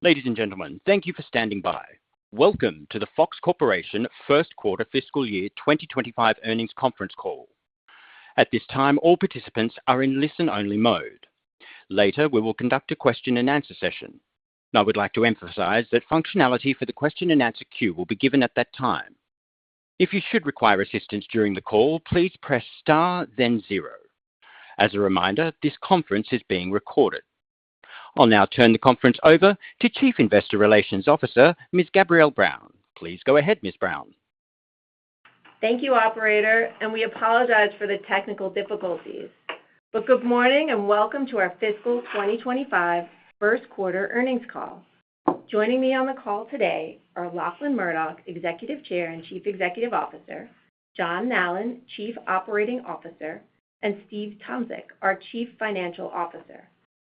Ladies and gentlemen, thank you for standing by. Welcome to the Fox Corporation first quarter fiscal year 2025 earnings conference call. At this time, all participants are in listen-only mode. Later, we will conduct a question-and-answer session. I would like to emphasize that functionality for the question-and-answer queue will be given at that time. If you should require assistance during the call, please press star, then zero. As a reminder, this conference is being recorded. I'll now turn the conference over to Chief Investor Relations Officer, Ms. Gabrielle Brown. Please go ahead, Ms. Brown. Thank you, Operator, and we apologize for the technical difficulties. But good morning and welcome to our fiscal 2025 first quarter earnings call. Joining me on the call today are Lachlan Murdoch, Executive Chair and Chief Executive Officer, John Nallen, Chief Operating Officer, and Steve Tomsic, our Chief Financial Officer.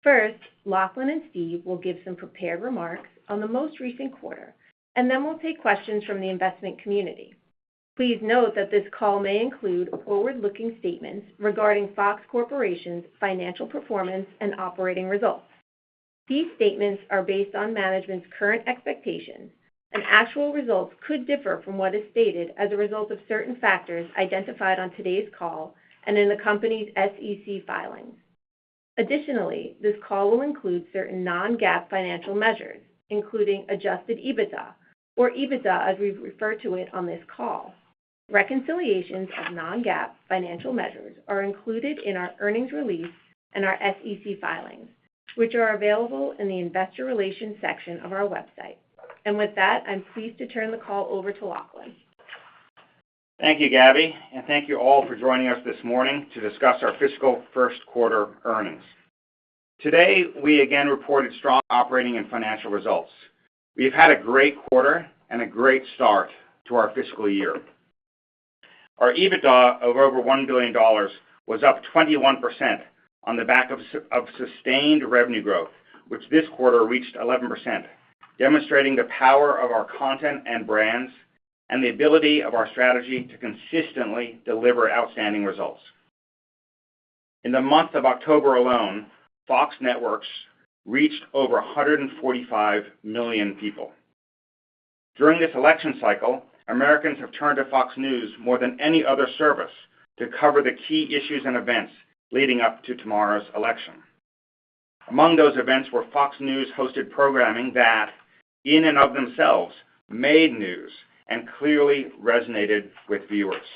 First, Lachlan and Steve will give some prepared remarks on the most recent quarter, and then we'll take questions from the investment community. Please note that this call may include forward-looking statements regarding Fox Corporation's financial performance and operating results. These statements are based on management's current expectations, and actual results could differ from what is stated as a result of certain factors identified on today's call and in the company's SEC filings. Additionally, this call will include certain non-GAAP financial measures, including adjusted EBITDA, or EBITDA as we refer to it on this call. Reconciliations of non-GAAP financial measures are included in our earnings release and our SEC filings, which are available in the Investor Relations section of our website, and with that, I'm pleased to turn the call over to Lachlan. Thank you, Gabby, and thank you all for joining us this morning to discuss our fiscal first quarter earnings. Today, we again reported strong operating and financial results. We've had a great quarter and a great start to our fiscal year. Our EBITDA of over $1 billion was up 21% on the back of sustained revenue growth, which this quarter reached 11%, demonstrating the power of our content and brands and the ability of our strategy to consistently deliver outstanding results. In the month of October alone, Fox Networks reached over 145 million people. During this election cycle, Americans have turned to FOX News more than any other service to cover the key issues and events leading up to tomorrow's election. Among those events were FOX News' hosted programming that, in and of themselves, made news and clearly resonated with viewers.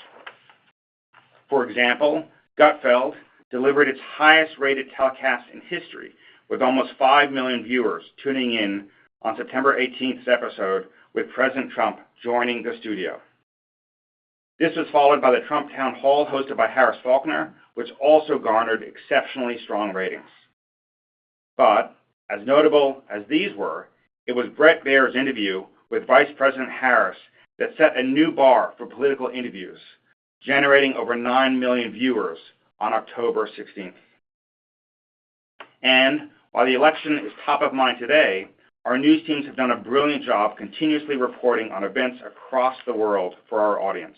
For example, Gutfeld! delivered its highest-rated telecast in history, with almost five million viewers tuning in on September 18th's episode with President Trump joining the studio. This was followed by the Trump Town Hall hosted by Harris Faulkner, which also garnered exceptionally strong ratings. As notable as these were, it was Bret Baier's interview with Vice President Harris that set a new bar for political interviews, generating over nine million viewers on October 16th. While the election is top of mind today, our news teams have done a brilliant job continuously reporting on events across the world for our audience.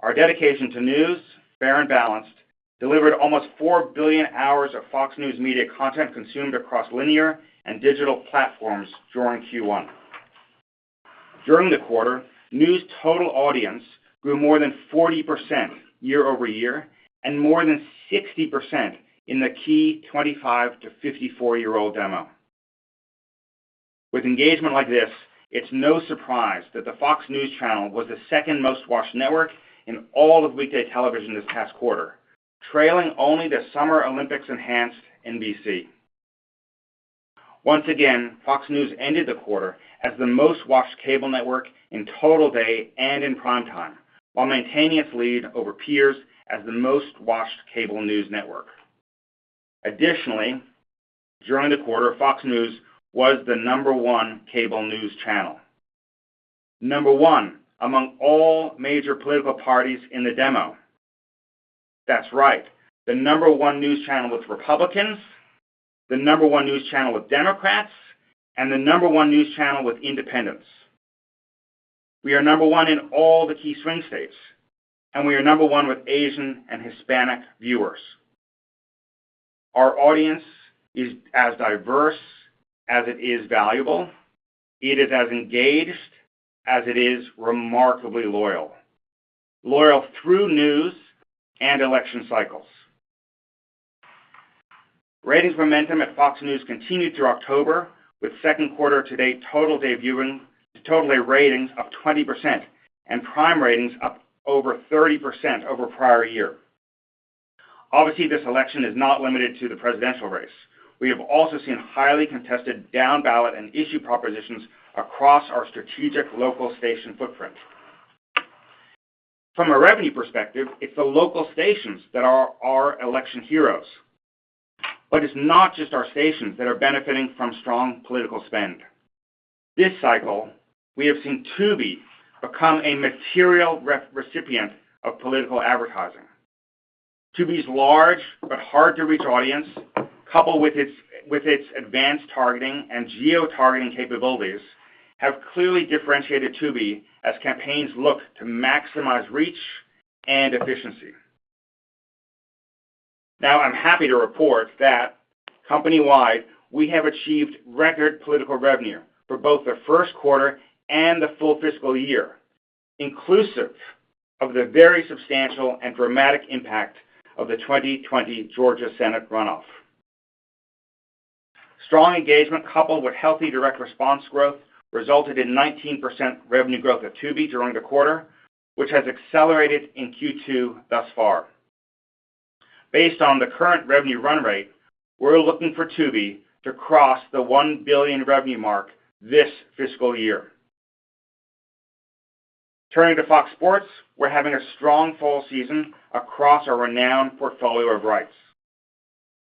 Our dedication to news, fair and balanced, delivered almost four billion hours of FOX News Media content consumed across linear and digital platforms during Q1. During the quarter, news total audience grew more than 40% year-over-year and more than 60% in the key 25 to 54-year-old demo. With engagement like this, it's no surprise that the FOX News Channel was the second most-watched network in all of weekday television this past quarter, trailing only the Summer Olympics-enhanced NBC. Once again, FOX News ended the quarter as the most-watched cable network in total day and in prime time, while maintaining its lead over peers as the most-watched cable news network. Additionally, during the quarter, FOX News was the number one cable news channel. Number one among all major political parties in the demo. That's right. The number one news channel with Republicans, the number one news channel with Democrats, and the number one news channel with Independents. We are number one in all the key swing states, and we are number one with Asian and Hispanic viewers. Our audience is as diverse as it is valuable. It is as engaged as it is remarkably loyal. Loyal through news and election cycles. Ratings momentum at FOX News continued through October, with second quarter-to-date total day viewing total day ratings up 20% and prime ratings up over 30% over prior year. Obviously, this election is not limited to the presidential race. We have also seen highly contested down-ballot and issue propositions across our strategic local station footprint. From a revenue perspective, it's the local stations that are our election heroes. But it's not just our stations that are benefiting from strong political spend. This cycle, we have seen Tubi become a material recipient of political advertising. Tubi's large but hard-to-reach audience, coupled with its advanced targeting and geotargeting capabilities, have clearly differentiated Tubi as campaigns look to maximize reach and efficiency. Now, I'm happy to report that company-wide, we have achieved record political revenue for both the first quarter and the full fiscal year, inclusive of the very substantial and dramatic impact of the 2020 Georgia Senate runoff. Strong engagement, coupled with healthy direct response growth, resulted in 19% revenue growth at Tubi during the quarter, which has accelerated in Q2 thus far. Based on the current revenue run rate, we're looking for Tubi to cross the $1 billion revenue mark this fiscal year. Turning to FOX Sports, we're having a strong fall season across our renowned portfolio of rights.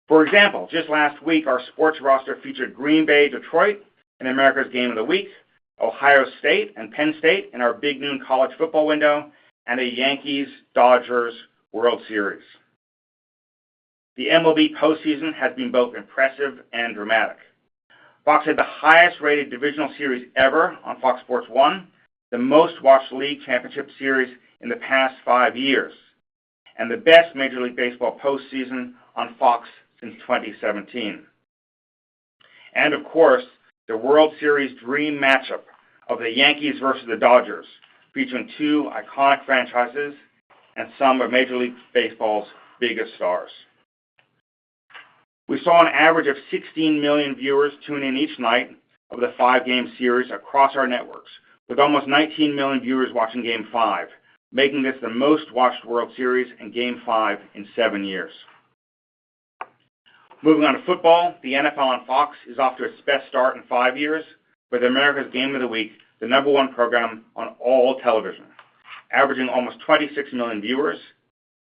For example, just last week, our sports roster featured Green Bay Detroit in America's Game of the Week, Ohio State and Penn State in our Big Noon College Football window, and the Yankees-Dodgers World Series. The MLB postseason has been both impressive and dramatic. Fox had the highest-rated divisional series ever FOX Sports 1, the most-watched League Championship Series in the past five years, and the best Major League Baseball postseason on Fox since 2017. And of course, the World Series dream matchup of the Yankees versus the Dodgers, featuring two iconic franchises and some of Major League Baseball's biggest stars. We saw an average of 16 million viewers tune in each night of the five-game series across our networks, with almost 19 million viewers watching Game Five, making this the most-watched World Series and Game Five in seven years. Moving on to football, the NFL on Fox is off to its best start in five years with America's Game of the Week, the number one program on all television, averaging almost 26 million viewers,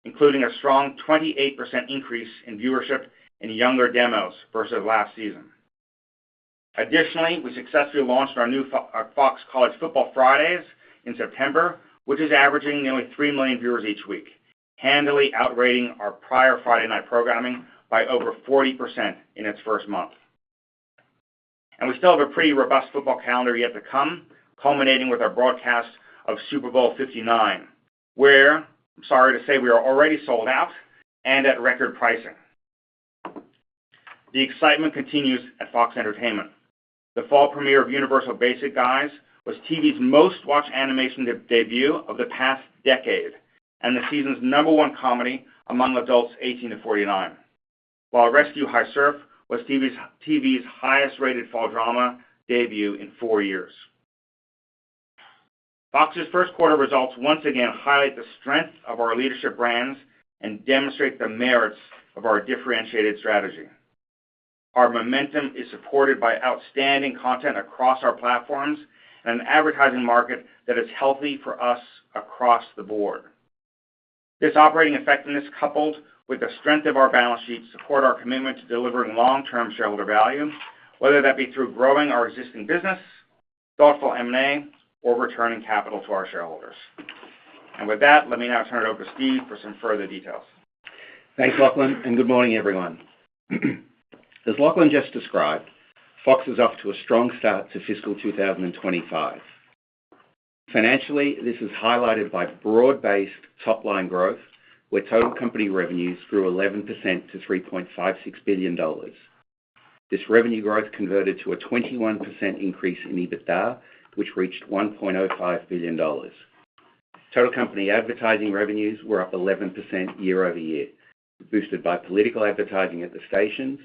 including a strong 28% increase in viewership in younger demos versus last season. Additionally, we successfully launched our new in September, which is averaging nearly 3 million viewers each week, handily outrating our prior Friday night programming by over 40% in its first month, and we still have a pretty robust football calendar yet to come, culminating with our broadcast of Super Bowl 59, where, I'm sorry to say, we are already sold out and at record pricing. The excitement continues at FOX Entertainment. The fall premiere of Universal Basic Guys was TV's most-watched animation debut of the past decade and the season's number 1 comedy among adults 18 to 49, while Rescue: HI-Surf was TV's highest-rated fall drama debut in four years. Fox's first quarter results once again highlight the strength of our leadership brands and demonstrate the merits of our differentiated strategy. Our momentum is supported by outstanding content across our platforms and an advertising market that is healthy for us across the board. This operating effectiveness, coupled with the strength of our balance sheet, supports our commitment to delivering long-term shareholder value, whether that be through growing our existing business, thoughtful M&A, or returning capital to our shareholders. And with that, let me now turn it over to Steve for some further details. Thanks, Lachlan, and good morning, everyone. As Lachlan just described, Fox is off to a strong start to fiscal 2025. Financially, this is highlighted by broad-based top-line growth, where total company revenues grew 11% to $3.56 billion. This revenue growth converted to a 21% increase in EBITDA, which reached $1.05 billion. Total company advertising revenues were up 11% year-over-year, boosted by political advertising at the stations,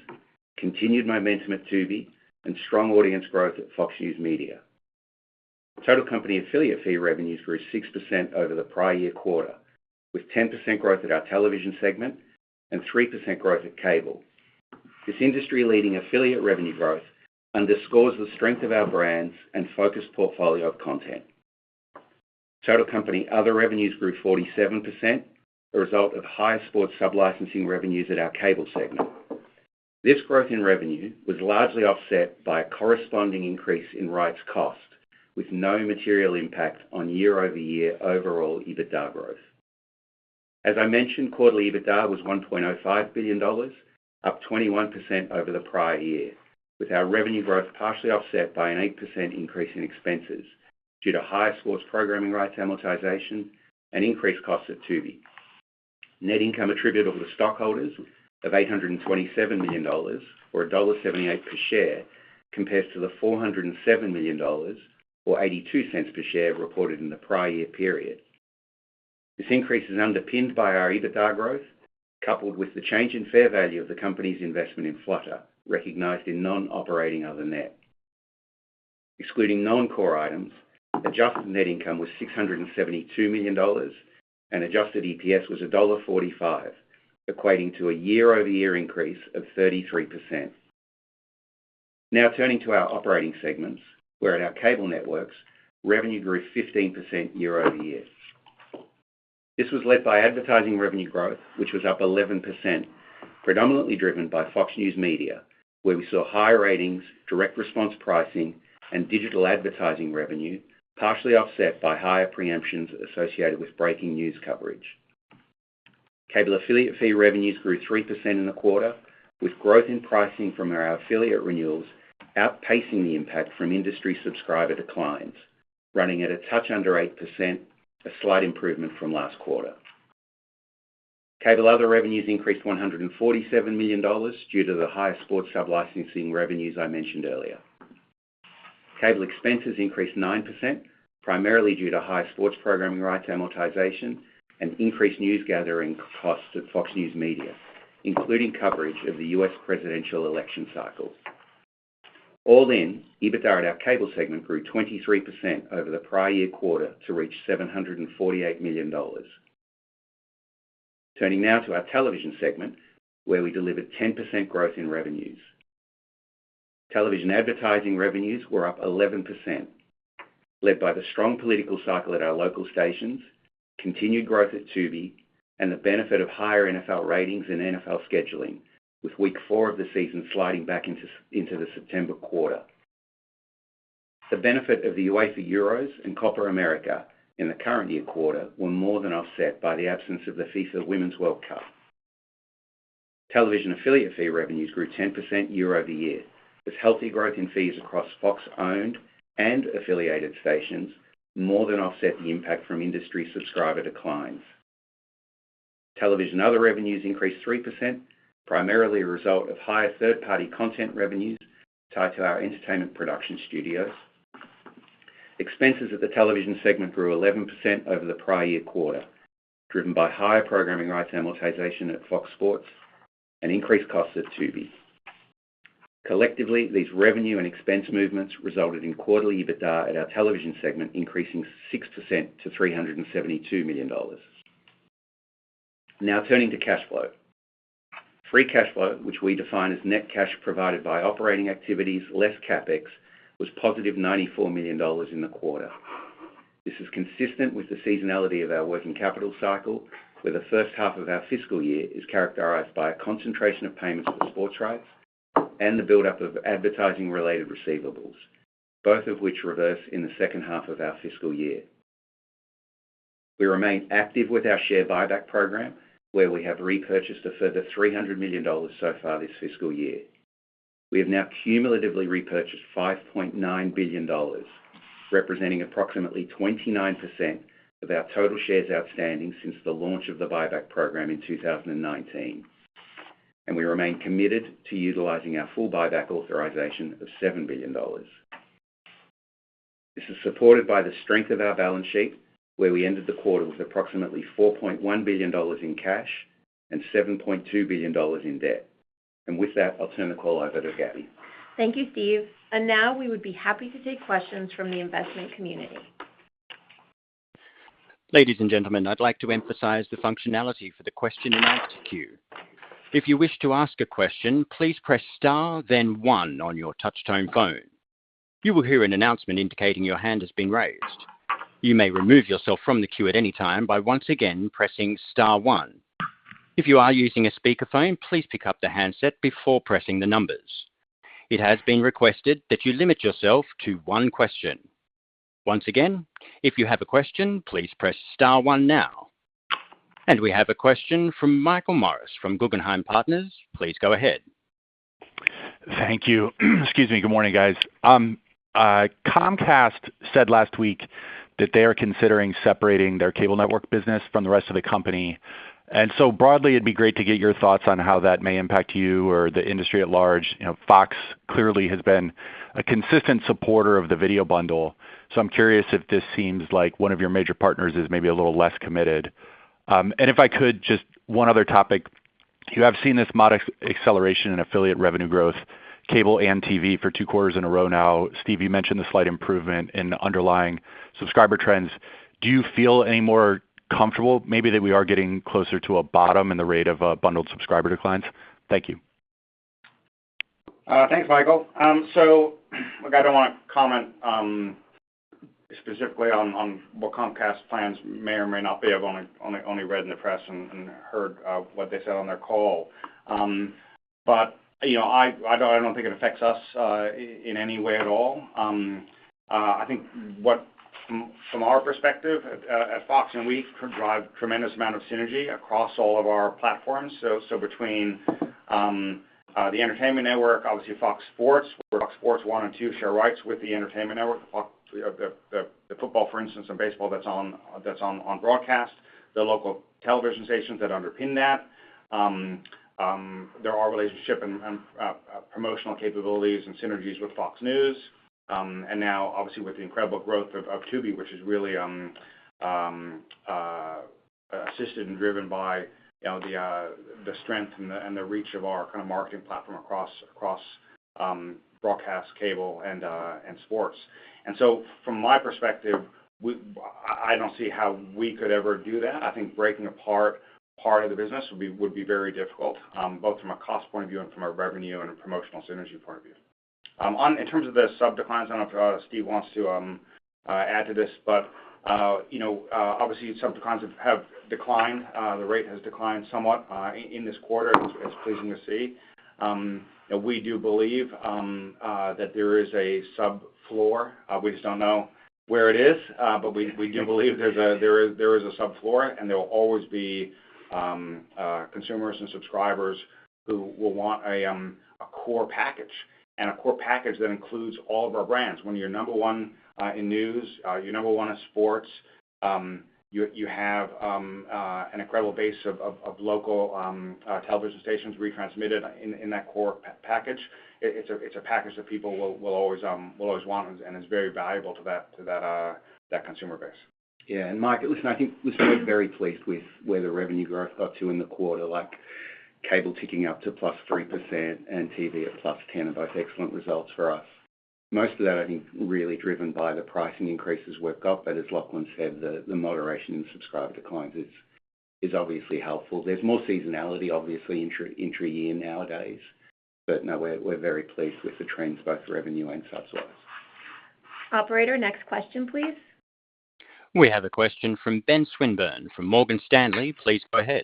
continued momentum at Tubi, and strong audience growth at FOX News Media. Total company affiliate fee revenues grew 6% over the prior year quarter, with 10% growth at our television segment and 3% growth at cable. This industry-leading affiliate revenue growth underscores the strength of our brands and focused portfolio of content. Total company other revenues grew 47%, a result of high sports sublicensing revenues at our cable segment. This growth in revenue was largely offset by a corresponding increase in rights cost, with no material impact on year-over-year overall EBITDA growth. As I mentioned, quarterly EBITDA was $1.05 billion, up 21% over the prior year, with our revenue growth partially offset by an 8% increase in expenses due to high sports programming rights amortization and increased costs at Tubi. Net income attributed to the stockholders of $827 million, or $1.78 per share, compares to the $407 million, or $0.82 per share reported in the prior year period. This increase is underpinned by our EBITDA growth, coupled with the change in fair value of the company's investment in Flutter, recognized in non-operating other net. Excluding non-core items, adjusted net income was $672 million, and adjusted EPS was $1.45, equating to a year-over-year increase of 33%. Now turning to our operating segments, where at our cable networks, revenue grew 15% year-over-year. This was led by advertising revenue growth, which was up 11%, predominantly driven by FOX News Media, where we saw high ratings, direct response pricing, and digital advertising revenue, partially offset by higher preemptions associated with breaking news coverage. Cable affiliate fee revenues grew 3% in the quarter, with growth in pricing from our affiliate renewals outpacing the impact from industry subscriber declines, running at a touch under 8%, a slight improvement from last quarter. Cable other revenues increased $147 million due to the high sports sublicensing revenues I mentioned earlier. Cable expenses increased 9%, primarily due to high sports programming rights amortization and increased news gathering costs at FOX News Media, including coverage of the U.S. presidential election cycle. All in, EBITDA at our cable segment grew 23% over the prior year quarter to reach $748 million. Turning now to our television segment, where we delivered 10% growth in revenues. Television advertising revenues were up 11%, led by the strong political cycle at our local stations, continued growth at Tubi, and the benefit of higher NFL ratings and NFL scheduling, with Week 4 of the season sliding back into the September quarter. The benefit of the UEFA EURO and Copa América in the current year quarter were more than offset by the absence of the FIFA Women's World Cup. Television affiliate fee revenues grew 10% year-over-year, as healthy growth in fees across Fox-owned and affiliated stations more than offset the impact from industry subscriber declines. Television other revenues increased 3%, primarily a result of higher third-party content revenues tied to our entertainment production studios. Expenses at the television segment grew 11% over the prior year quarter, driven by higher programming rights amortization at FOX Sports and increased costs at Tubi. Collectively, these revenue and expense movements resulted in quarterly EBITDA at our television segment increasing 6% to $372 million. Now turning to cash flow. Free cash flow, which we define as net cash provided by operating activities less CapEx, was +$94 million in the quarter. This is consistent with the seasonality of our working capital cycle, where the first half of our fiscal year is characterized by a concentration of payments for sports rights and the build-up of advertising-related receivables, both of which reverse in the second half of our fiscal year. We remain active with our share buyback program, where we have repurchased a further $300 million so far this fiscal year. We have now cumulatively repurchased $5.9 billion, representing approximately 29% of our total shares outstanding since the launch of the buyback program in 2019. And we remain committed to utilizing our full buyback authorization of $7 billion. This is supported by the strength of our balance sheet, where we ended the quarter with approximately $4.1 billion in cash and $7.2 billion in debt. And with that, I'll turn the call over to Gabby. Thank you, Steve. And now we would be happy to take questions from the investment community. Ladies and gentlemen, I'd like to emphasize the functionality for the question-and-answer queue. If you wish to ask a question, please press star, then one on your touch-tone phone. You will hear an announcement indicating your hand has been raised. You may remove yourself from the queue at any time by once again pressing star one. If you are using a speakerphone, please pick up the handset before pressing the numbers. It has been requested that you limit yourself to one question. Once again, if you have a question, please press star one now. And we have a question from Michael Morris from Guggenheim Partners. Please go ahead. Thank you. Excuse me. Good morning, guys. Comcast said last week that they are considering separating their cable network business from the rest of the company. And so broadly, it'd be great to get your thoughts on how that may impact you or the industry at large. Fox clearly has been a consistent supporter of the video bundle. So I'm curious if this seems like one of your major partners is maybe a little less committed. And if I could, just one other topic. You have seen this modest acceleration in affiliate revenue growth, cable and TV, for two quarters in a row now. Steve, you mentioned the slight improvement in underlying subscriber trends. Do you feel any more comfortable maybe that we are getting closer to a bottom in the rate of bundled subscriber declines? Thank you. Thanks, Michael. So I don't want to comment specifically on what Comcast's plans may or may not be. I've only read in the press and heard what they said on their call. But I don't think it affects us in any way at all. I think from our perspective at Fox, we drive a tremendous amount of synergy across all of our platforms. So between the entertainment network, obviously FOX Sports, FOX Sports 1 and 2 share rights with the entertainment network, the football, for instance, and baseball that's on broadcast, the local television stations that underpin that. There are relationship and promotional capabilities and synergies with FOX News. And now, obviously, with the incredible growth of Tubi, which is really assisted and driven by the strength and the reach of our kind of marketing platform across broadcast, cable, and sports. And so from my perspective, I don't see how we could ever do that. I think breaking apart part of the business would be very difficult, both from a cost point of view and from a revenue and promotional synergy point of view. In terms of the sub-declines, I don't know if Steve wants to add to this, but obviously, sub-declines have declined. The rate has declined somewhat in this quarter, as pleasing to see. We do believe that there is a sub-floor. We just don't know where it is, but we do believe there is a sub-floor, and there will always be consumers and subscribers who will want a core package and a core package that includes all of our brands. When you're number one in news, you're number one in sports, you have an incredible base of local television stations retransmitted in that core package. It's a package that people will always want, and it's very valuable to that consumer base. Yeah. And Mike, listen, I think we're very pleased with where the revenue growth got to in the quarter, like cable ticking up to +3% and TV at +10%, both excellent results for us. Most of that, I think, really driven by the pricing increases worked up. But as Lachlan said, the moderation in subscriber declines is obviously helpful. There's more seasonality, obviously, intra-year nowadays. But no, we're very pleased with the trends, both revenue and subscribers. Operator, next question, please. We have a question from Ben Swinburne from Morgan Stanley. Please go ahead.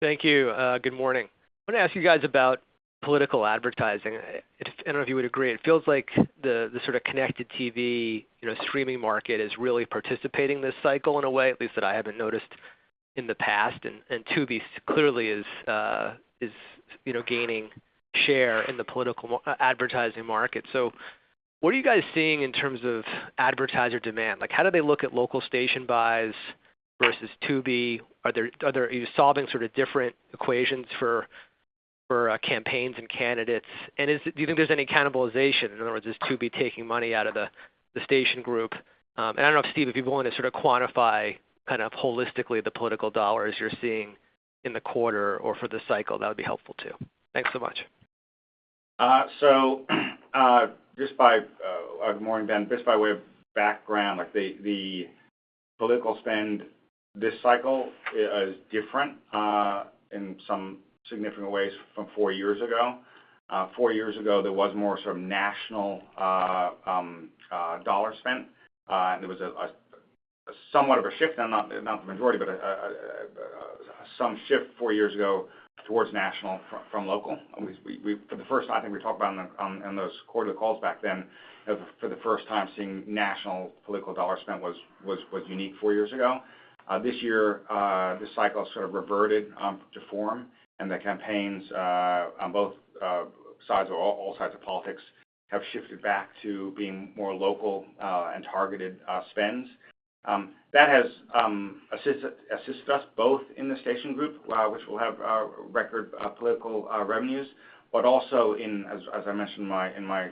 Thank you. Good morning. I want to ask you guys about political advertising. I don't know if you would agree. It feels like the sort of connected TV streaming market is really participating this cycle in a way, at least that I haven't noticed in the past. And Tubi clearly is gaining share in the political advertising market. So what are you guys seeing in terms of advertiser demand? How do they look at local station buys versus Tubi? Are you solving sort of different equations for campaigns and candidates? And do you think there's any cannibalization? In other words, is Tubi taking money out of the station group? And I don't know if Steve, if you want to sort of quantify kind of holistically the political dollars you're seeing in the quarter or for the cycle, that would be helpful too. Thanks so much. Good morning, Ben. Just by way of background, the political spend this cycle is different in some significant ways from four years ago. Four years ago, there was more sort of national dollar spent, and there was somewhat of a shift, not the majority, but some shift four years ago towards national from local. I think we talked about in those quarterly calls back then, for the first time, seeing national political dollar spent was unique four years ago. This year, this cycle sort of reverted to form, and the campaigns on both sides, all sides of politics, have shifted back to being more local and targeted spends. That has assisted us both in the station group, which will have record political revenues, but also, as I mentioned in my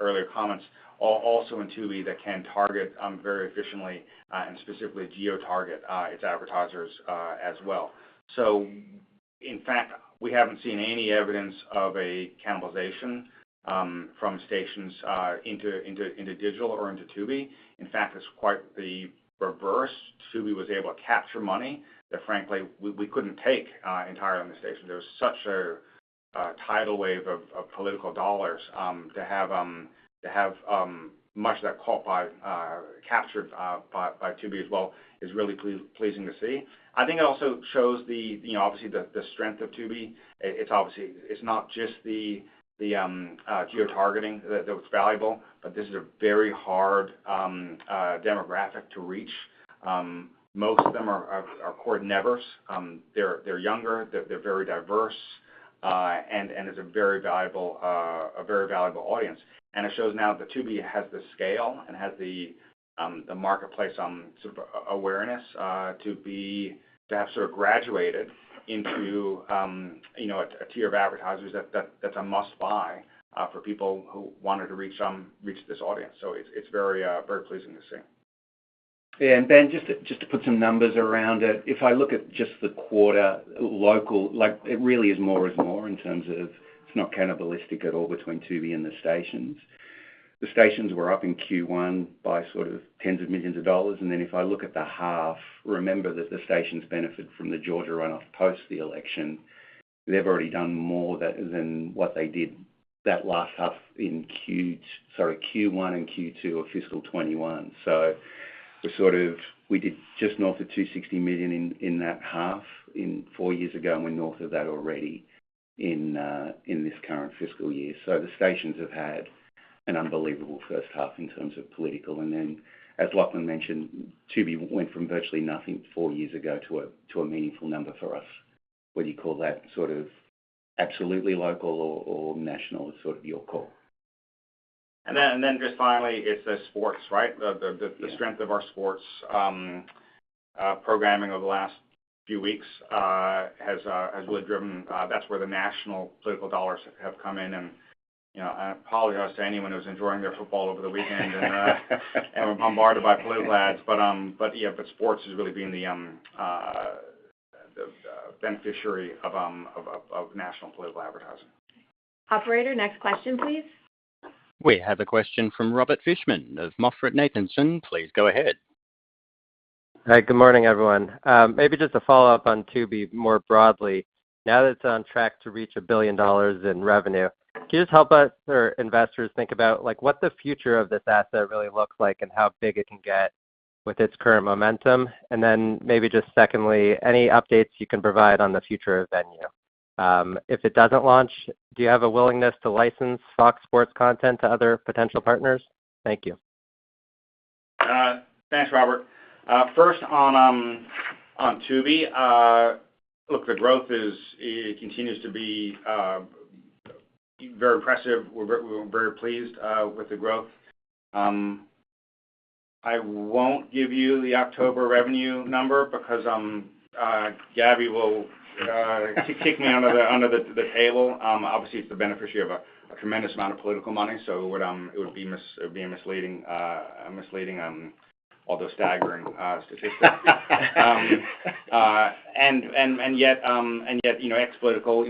earlier comments, also in Tubi that can target very efficiently and specifically geotarget its advertisers as well. So in fact, we haven't seen any evidence of a cannibalization from stations into digital or into Tubi. In fact, it's quite the reverse. Tubi was able to capture money that, frankly, we couldn't take entirely on the station. There was such a tidal wave of political dollars to have much of that captured by Tubi as well is really pleasing to see. I think it also shows the, obviously, the strength of Tubi. It's not just the geotargeting that's valuable, but this is a very hard demographic to reach. Most of them are cord-nevers. They're younger. They're very diverse. And it's a very valuable audience. It shows now that Tubi has the scale and has the marketplace awareness to have sort of graduated into a tier of advertisers that's a must-buy for people who wanted to reach this audience. It's very pleasing to see. Yeah. And, Ben, just to put some numbers around it, if I look at just the quarter, local, it really is more is more in terms of it's not cannibalistic at all between Tubi and the stations. The stations were up in Q1 by sort of tens of millions of dollars. And then if I look at the half, remember that the stations benefited from the Georgia runoff post the election. They've already done more than what they did that last half in Q1 and Q2 of fiscal 2021. So we did just north of $260 million in that half four years ago, and we're north of that already in this current fiscal year. So the stations have had an unbelievable first half in terms of political. And then, as Lachlan mentioned, Tubi went from virtually nothing four years ago to a meaningful number for us. Whether you call that sort of absolutely local or national is sort of your call. Then just finally, it's the sports, right? The strength of our sports programming over the last few weeks has really driven. That's where the national political dollars have come in. I apologize to anyone who's enjoying their football over the weekend and bombarded by political ads. Yeah, but sports has really been the beneficiary of national political advertising. Operator, next question, please. We have a question from Robert Fishman of MoffettNathanson. Please go ahead. Hi, good morning, everyone. Maybe just a follow-up on Tubi more broadly. Now that it's on track to reach $1 billion in revenue, can you just help us or investors think about what the future of this asset really looks like and how big it can get with its current momentum? And then maybe just secondly, any updates you can provide on the future of Venu? If it doesn't launch, do you have a willingness to license FOX Sports content to other potential partners? Thank you. Thanks, Robert. First, on Tubi, look, the growth continues to be very impressive. We're very pleased with the growth. I won't give you the October revenue number because Gabby will kick me under the table. Obviously, it's the beneficiary of a tremendous amount of political money, so it would be misleading although staggering statistics. Yet, ex-political,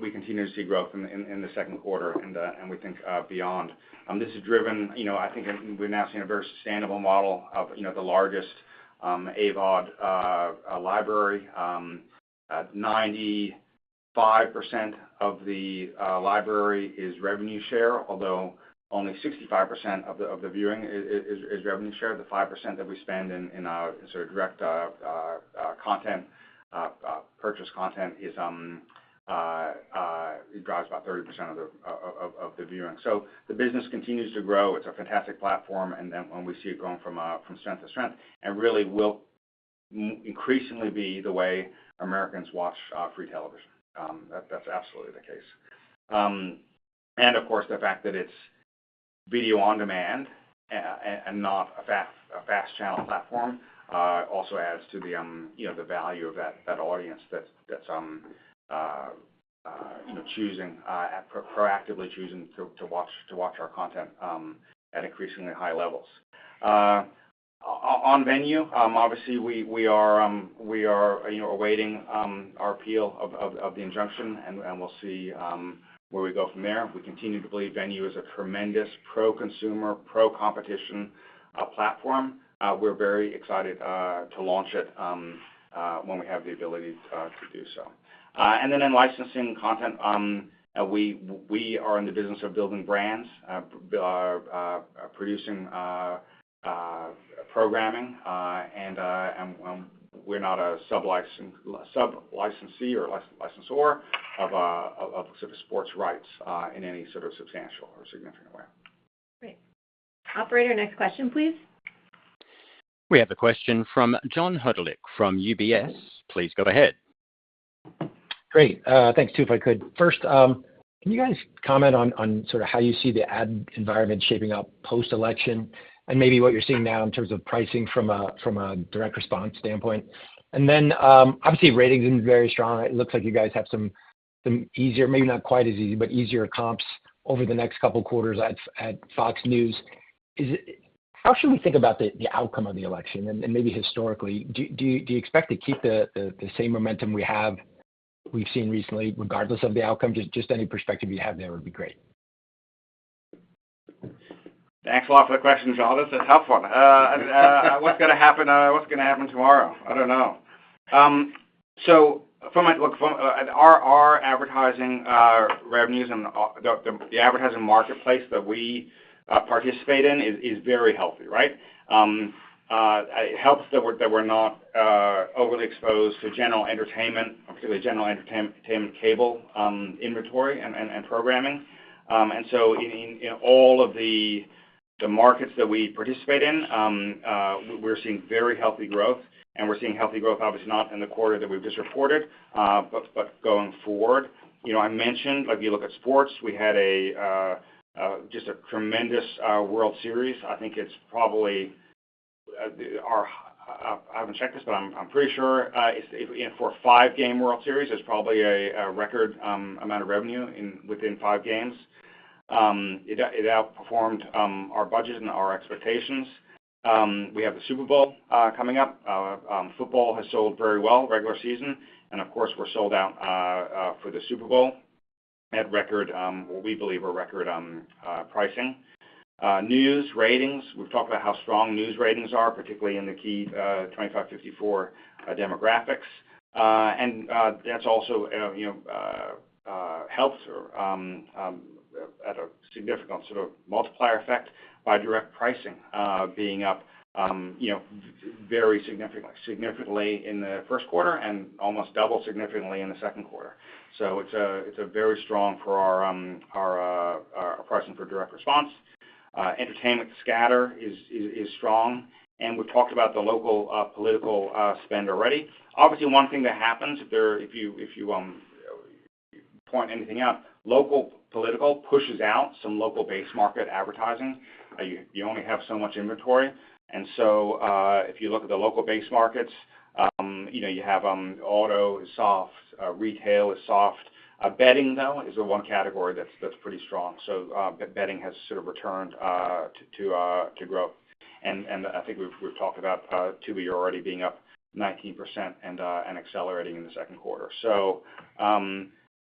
we continue to see growth in the second quarter, and we think beyond. This is driven, I think we're now seeing a very sustainable model of the largest AVOD library. 95% of the library is revenue share, although only 65% of the viewing is revenue share. The 5% that we spend in sort of direct content, purchase content, it drives about 30% of the viewing. So the business continues to grow. It's a fantastic platform. Then when we see it going from strength to strength, it really will increasingly be the way Americans watch free television. That's absolutely the case. And of course, the fact that it's video on demand and not a FAST channel platform also adds to the value of that audience that's choosing, proactively choosing to watch our content at increasingly high levels. On Venu, obviously, we are awaiting our appeal of the injunction, and we'll see where we go from there. We continue to believe Venu is a tremendous pro-consumer, pro-competition platform. We're very excited to launch it when we have the ability to do so. And then in licensing content, we are in the business of building brands, producing programming, and we're not a sub-licensee or licensor of sort of sports rights in any sort of substantial or significant way. Great. Operator, next question, please. We have a question from John Hodulik from UBS. Please go ahead. Great. Thanks, too, if I could. First, can you guys comment on sort of how you see the ad environment shaping up post-election and maybe what you're seeing now in terms of pricing from a direct response standpoint? And then, obviously, ratings are very strong. It looks like you guys have some easier, maybe not quite as easy, but easier comps over the next couple of quarters at FOX News. How should we think about the outcome of the election? And maybe historically, do you expect to keep the same momentum we have seen recently, regardless of the outcome? Just any perspective you have there would be great. Thanks a lot for the questions, John. This is helpful. What's going to happen tomorrow? I don't know. So look, our advertising revenues and the advertising marketplace that we participate in is very healthy, right? It helps that we're not overly exposed to general entertainment, particularly general entertainment cable inventory and programming. And so in all of the markets that we participate in, we're seeing very healthy growth. And we're seeing healthy growth, obviously, not in the quarter that we've just reported, but going forward. I mentioned, if you look at sports, we had just a tremendous World Series. I think it's probably. I haven't checked this, but I'm pretty sure for a five-game World Series, it's probably a record amount of revenue within five games. It outperformed our budget and our expectations. We have the Super Bowl coming up. Football has sold very well, regular season. And of course, we're sold out for the Super Bowl at record, what we believe are record pricing. News ratings. We've talked about how strong news ratings are, particularly in the key 25-54 demographics. And that's also helped at a significant sort of multiplier effect by direct pricing being up very significantly in the first quarter and almost double significantly in the second quarter. So it's very strong for our pricing for direct response. Entertainment scatter is strong. And we've talked about the local political spend already. Obviously, one thing that happens. If you point anything out, local political pushes out some local base market advertising. You only have so much inventory. And so if you look at the local base markets, you have auto is soft, retail is soft. Betting, though, is the one category that's pretty strong. So betting has sort of returned to grow. I think we've talked about Tubi already being up 19% and accelerating in the second quarter. So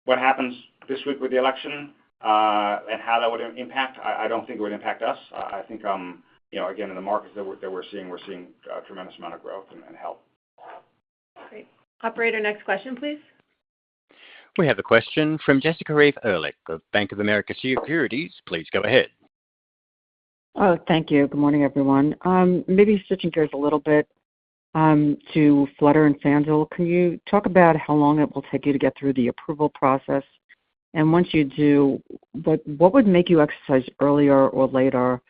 what happens this week with the election and how that would impact? I don't think it would impact us. I think, again, in the markets that we're seeing, we're seeing a tremendous amount of growth and help. Great. Operator, next question, please. We have a question from Jessica Reif Ehrlich of Bank of America Securities. Please go ahead. Oh, thank you. Good morning, everyone. Maybe switching gears a little bit to Flutter and FanDuel. Can you talk about how long it will take you to get through the approval process? And once you do, what would make you exercise earlier or later?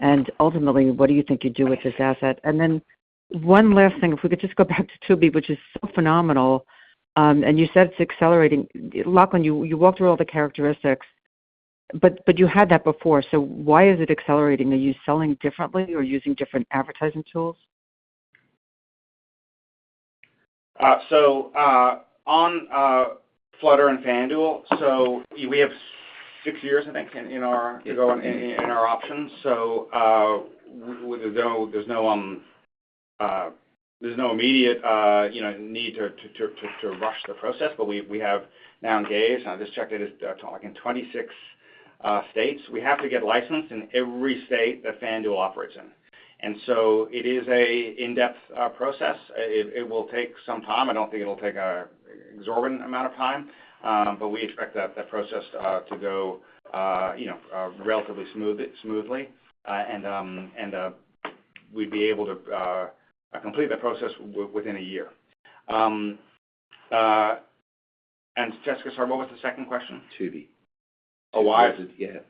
And ultimately, what do you think you'd do with this asset? And then one last thing, if we could just go back to Tubi, which is so phenomenal. And you said it's accelerating. Lachlan, you walked through all the characteristics, but you had that before. So why is it accelerating? Are you selling differently or using different advertising tools? So on Flutter and FanDuel, so we have six years, I think, in our options. So there's no immediate need to rush the process, but we have now engaged. I just checked it. It's in 26 states. We have to get licensed in every state that FanDuel operates in. And so it is an in-depth process. It will take some time. I don't think it'll take an exorbitant amount of time, but we expect that process to go relatively smoothly. And we'd be able to complete the process within a year. And Jessica, what was the second question? Tubi? Oh, why is it? Yeah,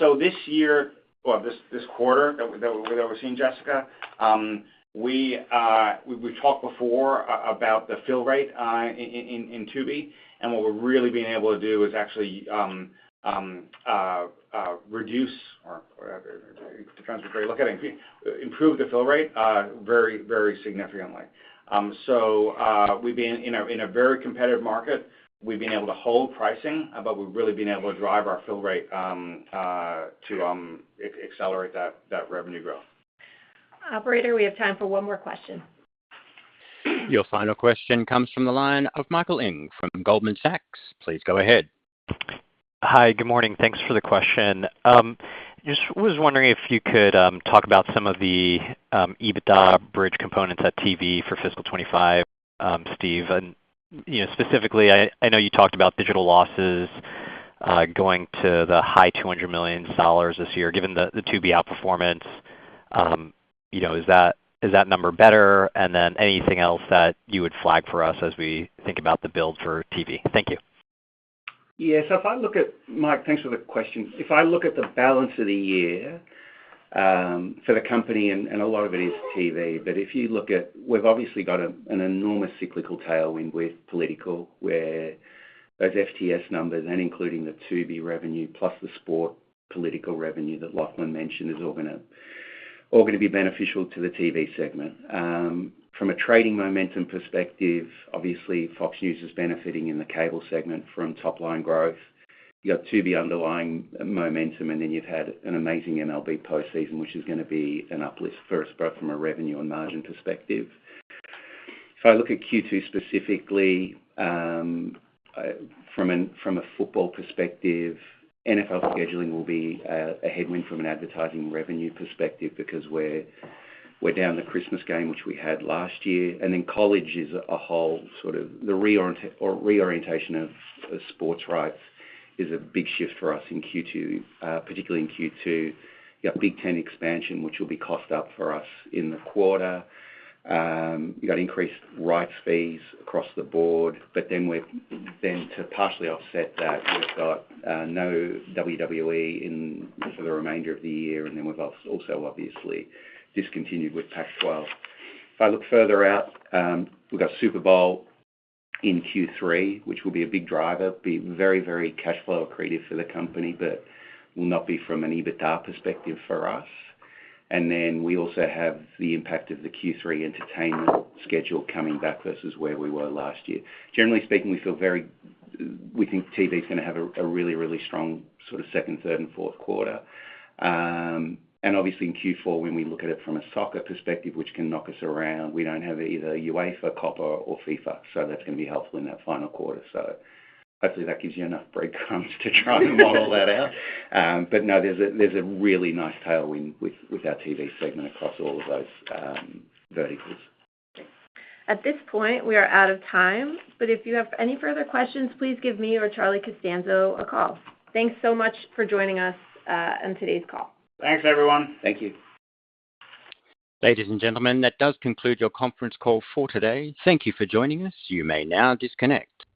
so this year, well, this quarter that we're seeing, Jessica, we talked before about the fill rate in Tubi, and what we're really being able to do is actually reduce, or depends on what you're looking at, improve the fill rate very, very significantly, so we've been in a very competitive market. We've been able to hold pricing, but we've really been able to drive our fill rate to accelerate that revenue growth. Operator, we have time for one more question. Your final question comes from the line of Michael Ng from Goldman Sachs. Please go ahead. Hi, good morning. Thanks for the question. Just was wondering if you could talk about some of the EBITDA bridge components at TV for fiscal 2025, Steve. And specifically, I know you talked about digital losses going to the high $200 million this year, given the Tubi outperformance. Is that number better? And then anything else that you would flag for us as we think about the build for TV? Thank you. Yeah. So if I look at Mike, thanks for the question. If I look at the balance of the year for the company, and a lot of it is TV, but if you look at we've obviously got an enormous cyclical tailwind with political, where those FTS numbers, and including the Tubi revenue plus the sport political revenue that Lachlan mentioned, are all going to be beneficial to the TV segment. From a trading momentum perspective, obviously, FOX News is benefiting in the cable segment from top-line growth. You've got Tubi underlying momentum, and then you've had an amazing MLB postseason, which is going to be an uplift for us both from a revenue and margin perspective. If I look at Q2 specifically, from a football perspective, NFL scheduling will be a headwind from an advertising revenue perspective because we're down the Christmas game, which we had last year. And then college is a whole sort of the reorientation of sports rights is a big shift for us in Q2, particularly in Q2. You've got Big Ten expansion, which will be cost up for us in the quarter. You've got increased rights fees across the board. But then to partially offset that, we've got no WWE for the remainder of the year. And then we've also obviously discontinued with Pac-12. If I look further out, we've got Super Bowl in Q3, which will be a big driver, be very, very cash flow accretive for the company, but will not be from an EBITDA perspective for us. And then we also have the impact of the Q3 entertainment schedule coming back versus where we were last year. Generally speaking, we feel very, we think TV is going to have a really, really strong sort of second, third, and fourth quarter. Obviously, in Q4, when we look at it from a soccer perspective, which can knock us around, we don't have either UEFA, Copa, or FIFA. That's going to be helpful in that final quarter. Hopefully, that gives you enough breadcrumbs to try and model that out. No, there's a really nice tailwind with our TV segment across all of those verticals. At this point, we are out of time. But if you have any further questions, please give me or Charlie Costanzo a call. Thanks so much for joining us on today's call. Thanks, everyone. Thank you. Ladies and gentlemen, that does conclude your conference call for today. Thank you for joining us. You may now disconnect.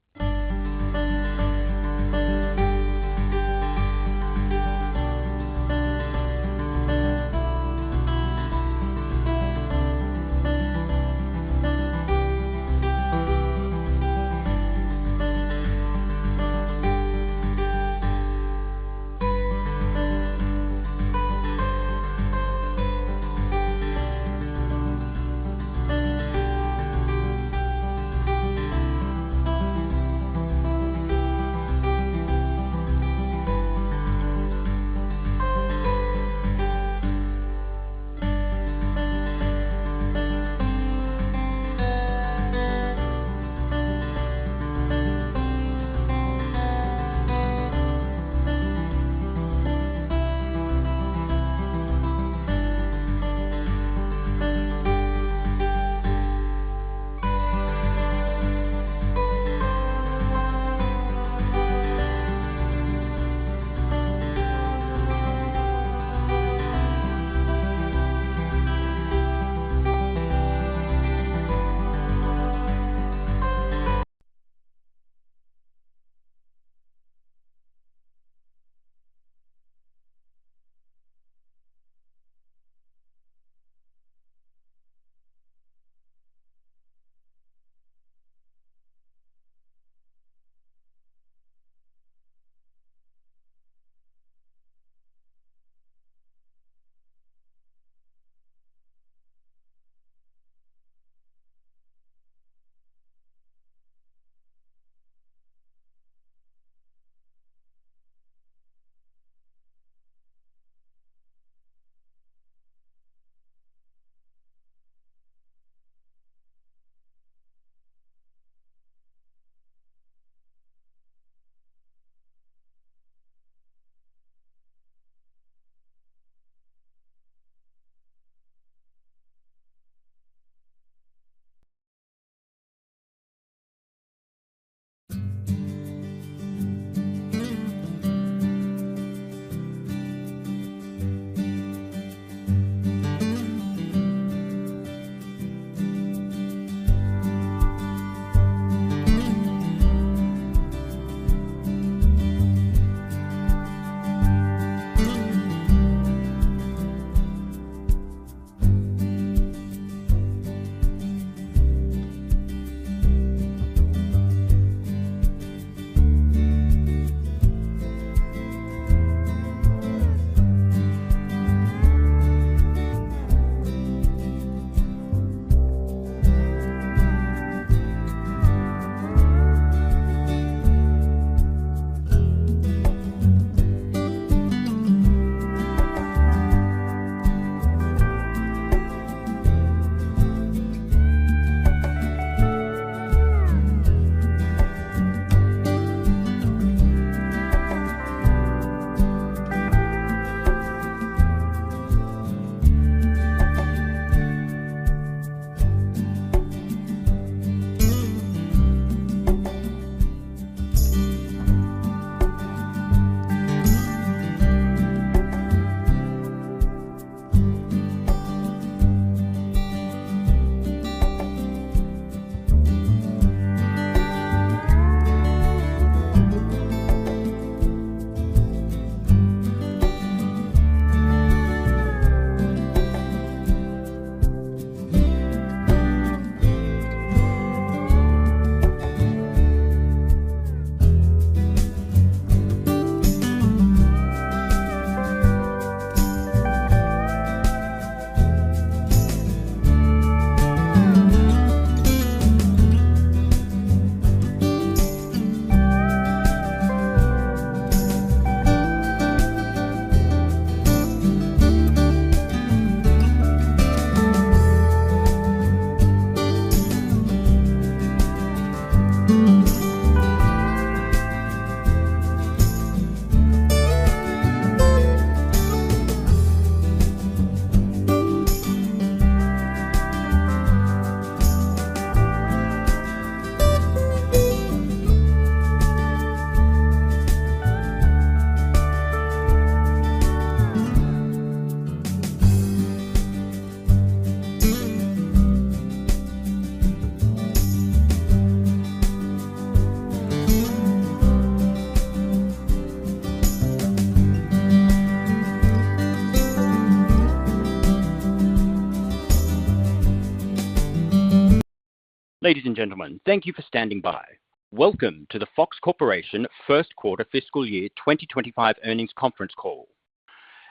Ladies and gentlemen, thank you for standing by. Welcome to the Fox Corporation first quarter fiscal year 2025 earnings conference call.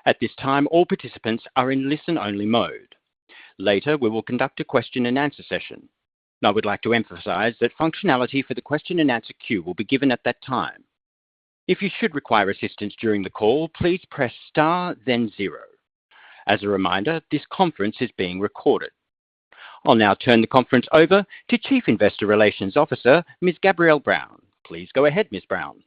At this time, all participants are in listen-only mode. Later, we will conduct a question-and-answer session. I would like to emphasize that functionality for the question-and-answer queue will be given at that time. If you should require assistance during the call, please press star, then zero. As a reminder, this conference is being recorded. I'll now turn the conference over to Chief Investor Relations Officer, Ms. Gabrielle Brown. Please go ahead, Ms. Brown.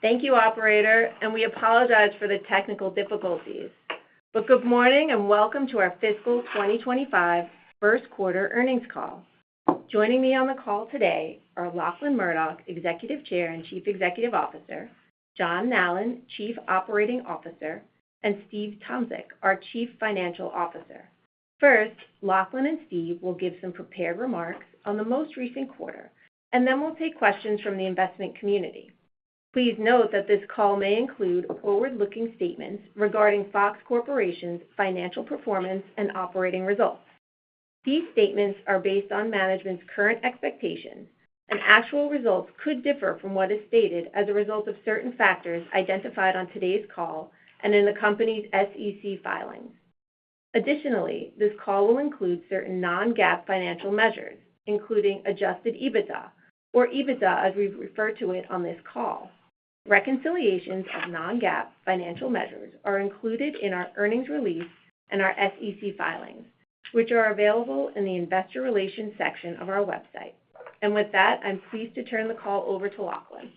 Thank you, Operator. And we apologize for the technical difficulties. But good morning and welcome to our fiscal 2025 first quarter earnings call. Joining me on the call today are Lachlan Murdoch, Executive Chair and Chief Executive Officer, John Nallen, Chief Operating Officer, and Steve Tomsic, our Chief Financial Officer. First, Lachlan and Steve will give some prepared remarks on the most recent quarter, and then we'll take questions from the investment community. Please note that this call may include forward-looking statements regarding Fox Corporation's financial performance and operating results. These statements are based on management's current expectations, and actual results could differ from what is stated as a result of certain factors identified on today's call and in the company's SEC filings. Additionally, this call will include certain non-GAAP financial measures, including adjusted EBITDA, or EBITDA as we refer to it on this call. Reconciliations of Non-GAAP financial measures are included in our earnings release and our SEC filings, which are available in the investor relations section of our website. And with that, I'm pleased to turn the call over to Lachlan.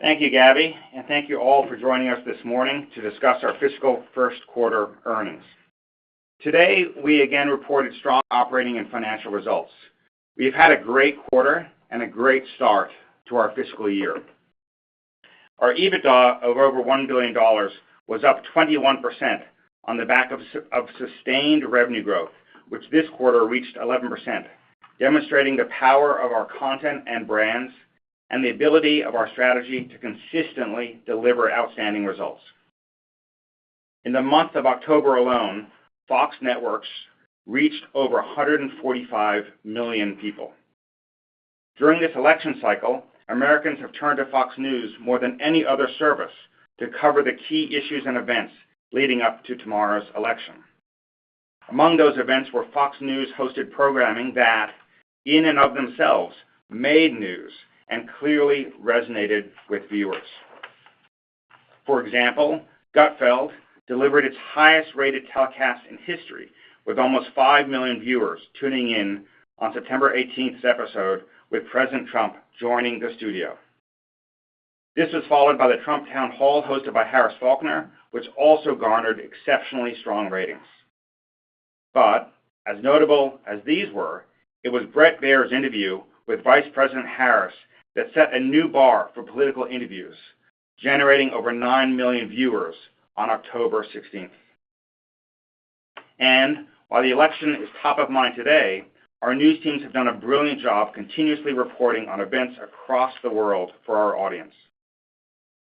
Thank you, Gabby, and thank you all for joining us this morning to discuss our fiscal first quarter earnings. Today, we again reported strong operating and financial results. We've had a great quarter and a great start to our fiscal year. Our EBITDA of over $1 billion was up 21% on the back of sustained revenue growth, which this quarter reached 11%, demonstrating the power of our content and brands and the ability of our strategy to consistently deliver outstanding results. In the month of October alone, Fox Networks reached over 145 million people. During this election cycle, Americans have turned to FOX News more than any other service to cover the key issues and events leading up to tomorrow's election. Among those events were FOX News hosted programming that, in and of themselves, made news and clearly resonated with viewers. For example, Gutfeld! delivered its highest-rated telecast in history, with almost five million viewers tuning in on September 18th's episode with President Trump joining the studio. This was followed by the Trump Town Hall hosted by Harris Faulkner, which also garnered exceptionally strong ratings. But as notable as these were, it was Bret Baier's interview with Vice President Harris that set a new bar for political interviews, generating over nine million viewers on October 16th. While the election is top of mind today, our news teams have done a brilliant job continuously reporting on events across the world for our audience.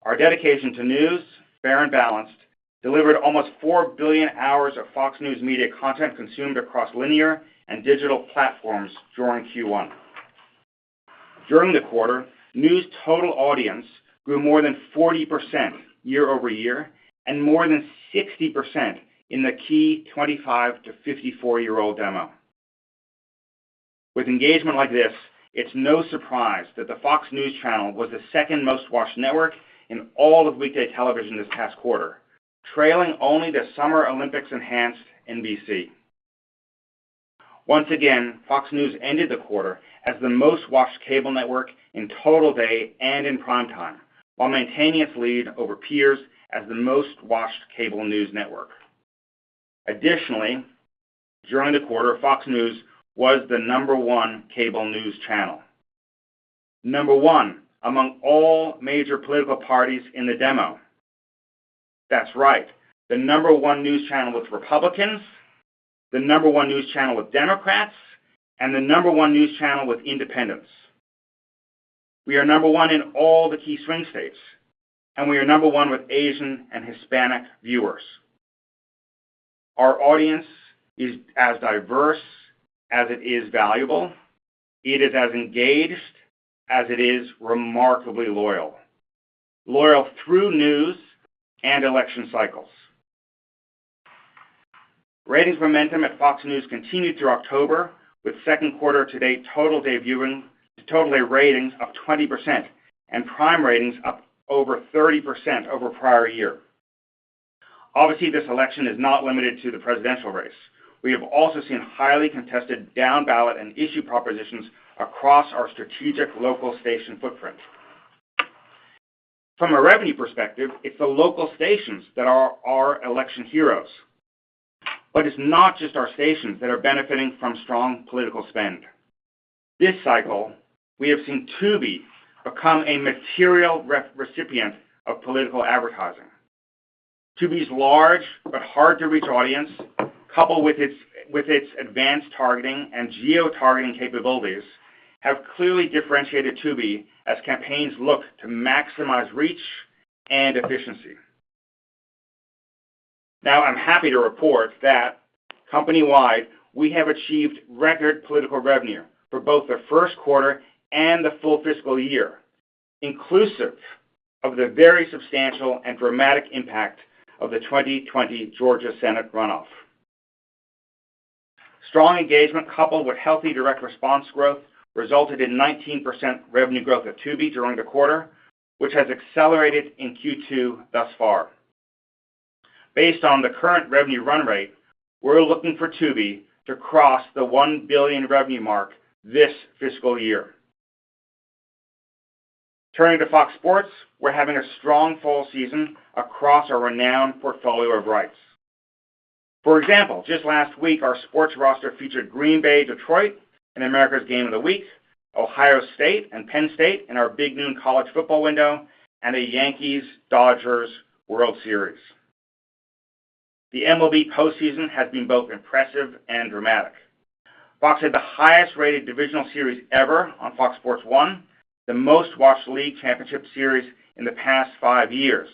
Our dedication to news, fair and balanced, delivered almost four billion hours of FOX News Media content consumed across linear and digital platforms during Q1. During the quarter, news total audience grew more than 40% year-over-year and more than 60% in the key 25 to 54-year-old demo. With engagement like this, it's no surprise that the FOX News Channel was the second most-watched network in all of weekday television this past quarter, trailing only the Summer Olympics-enhanced NBC. Once again, FOX News ended the quarter as the most-watched cable network in total day and in prime time while maintaining its lead over peers as the most-watched cable news network. Additionally, during the quarter, FOX News was the number one cable news channel, number one among all major political parties in the demo. That's right, the number one news channel with Republicans, the number one news channel with Democrats, and the number one news channel with Independents. We are number one in all the key swing states, and we are number one with Asian and Hispanic viewers. Our audience is as diverse as it is valuable. It is as engaged as it is remarkably loyal, loyal through news and election cycles. Ratings momentum at FOX News continued through October, with second quarter-to-date total day viewing total day ratings up 20% and prime ratings up over 30% over prior year. Obviously, this election is not limited to the presidential race. We have also seen highly contested down-ballot and issue propositions across our strategic local station footprint. From a revenue perspective, it's the local stations that are our election heroes. But it's not just our stations that are benefiting from strong political spend. This cycle, we have seen Tubi become a material recipient of political advertising. Tubi's large but hard-to-reach audience, coupled with its advanced targeting and geotargeting capabilities, have clearly differentiated Tubi as campaigns look to maximize reach and efficiency. Now, I'm happy to report that company-wide, we have achieved record political revenue for both the first quarter and the full fiscal year, inclusive of the very substantial and dramatic impact of the 2020 Georgia Senate runoff. Strong engagement, coupled with healthy direct response growth, resulted in 19% revenue growth at Tubi during the quarter, which has accelerated in Q2 thus far. Based on the current revenue run rate, we're looking for Tubi to cross the 1 billion revenue mark this fiscal year. Turning to FOX Sports, we're having a strong fall season across our renowned portfolio of rights. For example, just last week, our sports roster featured Green Bay Detroit in America's Game of the Week, Ohio State and Penn State in our Big Noon College Football window, and the Yankees-Dodgers World Series. The MLB postseason has been both impressive and dramatic. Fox had the highest-rated divisional series ever FOX Sports 1, the most-watched League Championship Series in the past five years,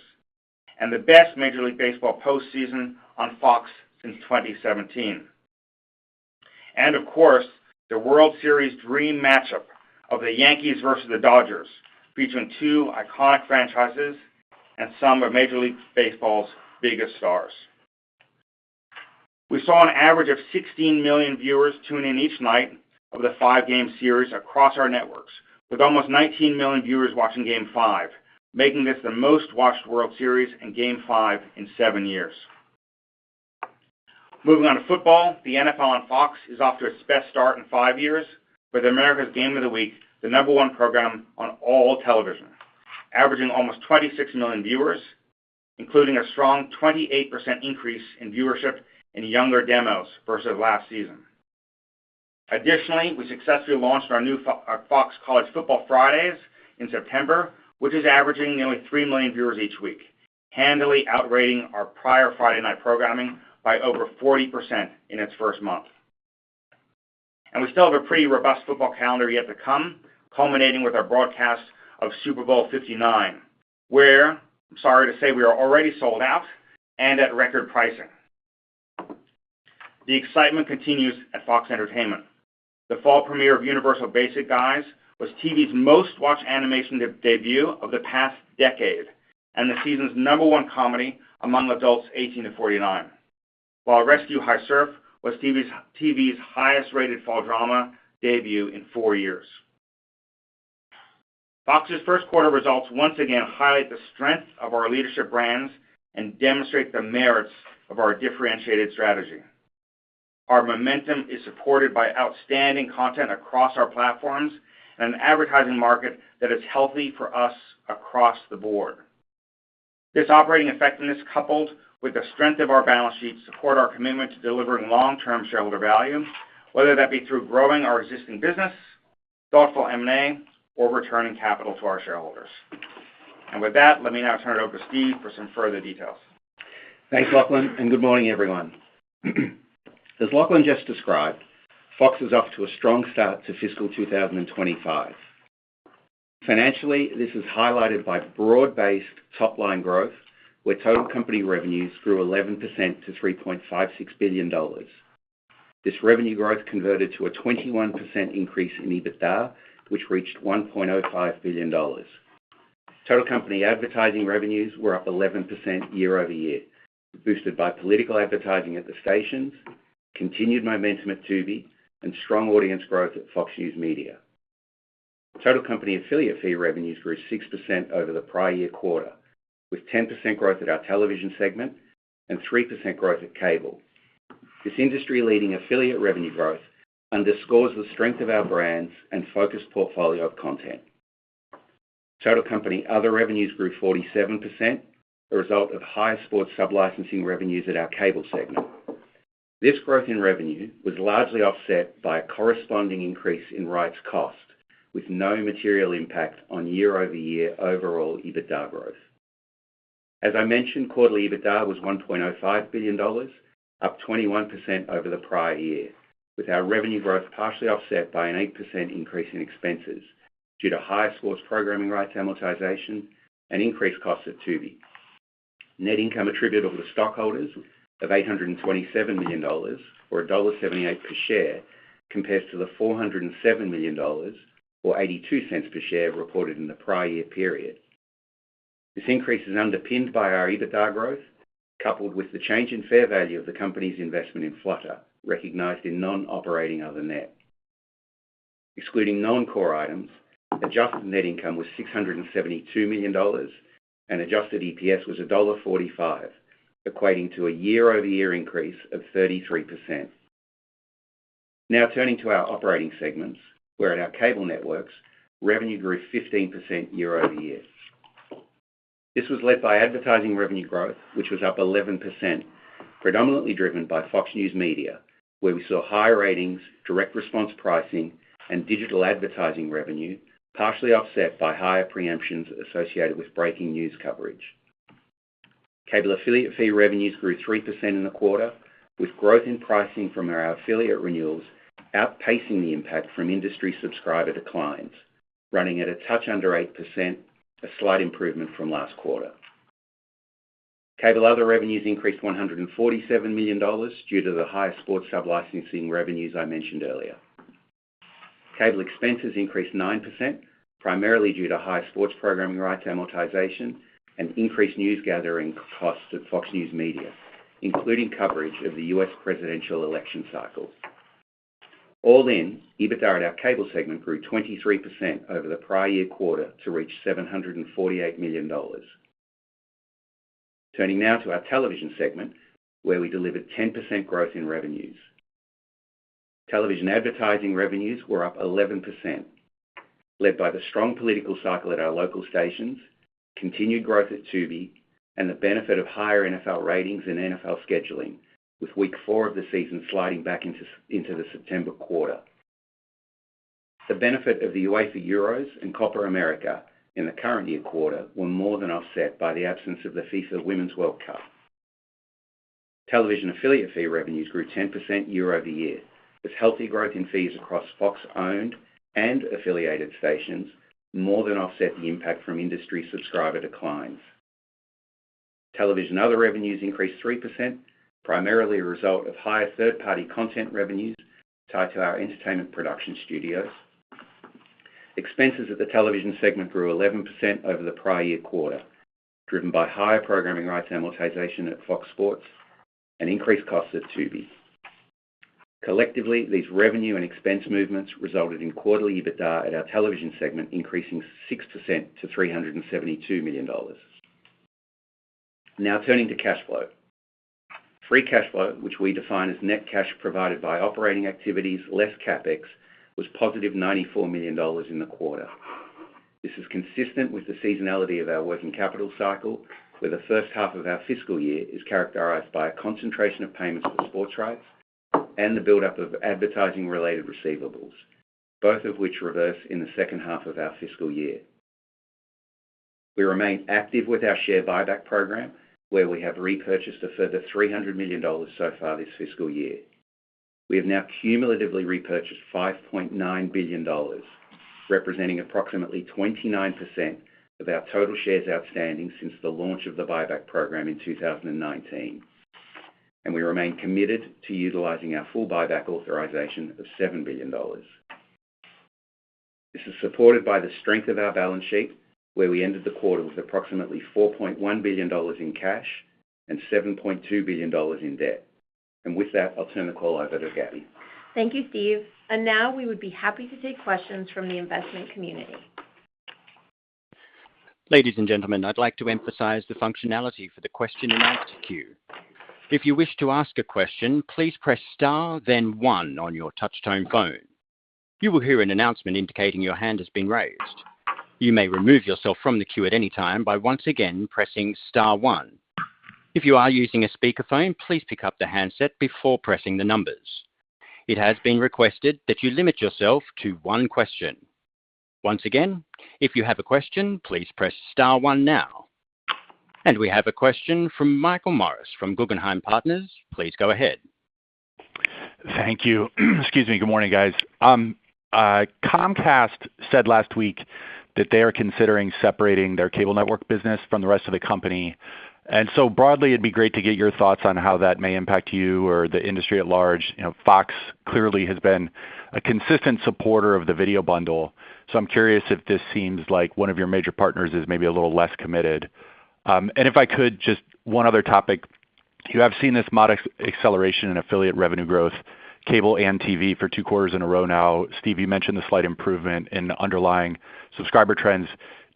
and the best Major League Baseball postseason on Fox since 2017. And of course, the World Series dream matchup of the Yankees versus the Dodgers, featuring two iconic franchises and some of Major League Baseball's biggest stars. We saw an average of 16 million viewers tune in each night of the five-game series across our networks, with almost 19 million viewers watching Game Five, making this the most-watched World Series and Game Five in seven years. Moving on to football, the NFL on Fox is off to its best start in five years with America's Game of the Week, the number one program on all television, averaging almost 26 million viewers, including a strong 28% increase in viewership in younger demos versus last season. Additionally, we successfully launched our new Fox College Football Fridays in September, which is averaging nearly three million viewers each week, handily outrating our prior Friday night programming by over 40% in its first month, and we still have a pretty robust football calendar yet to come, culminating with our broadcast of Super Bowl 59, where, I'm sorry to say, we are already sold out and at record pricing. The excitement continues at FOX Entertainment. The fall premiere of Universal Basic Guys was TV's most-watched animation debut of the past decade and the season's number one comedy among adults 18-49, while Rescue: HI-Surf was TV's highest-rated fall drama debut in four years. Fox's first quarter results once again highlight the strength of our leadership brands and demonstrate the merits of our differentiated strategy. Our momentum is supported by outstanding content across our platforms and an advertising market that is healthy for us across the board. This operating effectiveness, coupled with the strength of our balance sheet, supports our commitment to delivering long-term shareholder value, whether that be through growing our existing business, thoughtful M&A, or returning capital to our shareholders. And with that, let me now turn it over to Steve for some further details. Thanks, Lachlan, and good morning, everyone. As Lachlan just described, Fox is off to a strong start to fiscal 2025. Financially, this is highlighted by broad-based top-line growth, where total company revenues grew 11% to $3.56 billion. This revenue growth converted to a 21% increase in EBITDA, which reached $1.05 billion. Total company advertising revenues were up 11% year-over-year, boosted by political advertising at the stations, continued momentum at Tubi, and strong audience growth at FOX News Media. Total company affiliate fee revenues grew 6% over the prior year quarter, with 10% growth at our television segment and 3% growth at cable. This industry-leading affiliate revenue growth underscores the strength of our brands and focused portfolio of content. Total company other revenues grew 47%, a result of higher sports sublicensing revenues at our cable segment. This growth in revenue was largely offset by a corresponding increase in rights cost, with no material impact on year-over-year overall EBITDA growth. As I mentioned, quarterly EBITDA was $1.05 billion, up 21% over the prior year, with our revenue growth partially offset by an 8% increase in expenses due to higher sports programming rights amortization and increased costs at Tubi. Net income attributed to the stockholders of $827 million or $1.78 per share compares to the $407 million or $0.82 per share reported in the prior year period. This increase is underpinned by our EBITDA growth, coupled with the change in fair value of the company's investment in Flutter, recognized in non-operating other net. Excluding non-core items, adjusted net income was $672 million, and adjusted EPS was $1.45, equating to a year-over-year increase of 33%. Now turning to our operating segments, where at our cable networks, revenue grew 15% year-over-year. This was led by advertising revenue growth, which was up 11%, predominantly driven by FOX News Media, where we saw high ratings, direct response pricing, and digital advertising revenue, partially offset by higher preemptions associated with breaking news coverage. Cable affiliate fee revenues grew 3% in the quarter, with growth in pricing from our affiliate renewals outpacing the impact from industry subscriber declines, running at a touch under 8%, a slight improvement from last quarter. Cable other revenues increased $147 million due to the higher sports sublicensing revenues I mentioned earlier. Cable expenses increased 9%, primarily due to higher sports programming rights amortization and increased news gathering costs at FOX News Media, including coverage of the U.S. presidential election cycle. All in, EBITDA at our cable segment grew 23% over the prior year quarter to reach $748 million. Turning now to our television segment, where we delivered 10% growth in revenues. Television advertising revenues were up 11%, led by the strong political cycle at our local stations, continued growth at Tubi, and the benefit of higher NFL ratings and NFL scheduling, with Week 4 of the season sliding back into the September quarter. The benefit of the UEFA EURO and Copa América in the current year quarter were more than offset by the absence of the FIFA Women's World Cup. Television affiliate fee revenues grew 10% year-over-year, as healthy growth in fees across Fox-owned and affiliated stations more than offset the impact from industry subscriber declines. Television other revenues increased 3%, primarily a result of higher third-party content revenues tied to our entertainment production studios. Expenses at the television segment grew 11% over the prior year quarter, driven by higher programming rights amortization at FOX Sports and increased costs at Tubi. Collectively, these revenue and expense movements resulted in quarterly EBITDA at our television segment increasing 6% to $372 million. Now turning to cash flow. Free cash flow, which we define as net cash provided by operating activities less CapEx, was +$94 million in the quarter. This is consistent with the seasonality of our working capital cycle, where the first half of our fiscal year is characterized by a concentration of payments for sports rights and the build-up of advertising-related receivables, both of which reverse in the second half of our fiscal year. We remain active with our share buyback program, where we have repurchased a further $300 million so far this fiscal year. We have now cumulatively repurchased $5.9 billion, representing approximately 29% of our total shares outstanding since the launch of the buyback program in 2019, and we remain committed to utilizing our full buyback authorization of $7 billion. This is supported by the strength of our balance sheet, where we ended the quarter with approximately $4.1 billion in cash and $7.2 billion in debt, and with that, I'll turn the call over to Gabby. Thank you, Steve, and now we would be happy to take questions from the investment community. Ladies and gentlemen, I'd like to emphasize the functionality for the question-and-answer queue. If you wish to ask a question, please press star, then one on your touch-tone phone. You will hear an announcement indicating your hand has been raised. You may remove yourself from the queue at any time by once again pressing star one. If you are using a speakerphone, please pick up the handset before pressing the numbers. It has been requested that you limit yourself to one question. Once again, if you have a question, please press star one now. And we have a question from Michael Morris from Guggenheim Partners. Please go ahead. Thank you. Excuse me. Good morning, guys. Comcast said last week that they are considering separating their cable network business from the rest of the company. And so broadly, it'd be great to get your thoughts on how that may impact you or the industry at large. Fox clearly has been a consistent supporter of the video bundle, so I'm curious if this seems like one of your major partners is maybe a little less committed. And if I could, just one other topic. You have seen this modest acceleration in affiliate revenue growth, cable and TV, for two quarters in a row now. Steve, you mentioned the slight improvement in underlying subscriber trends.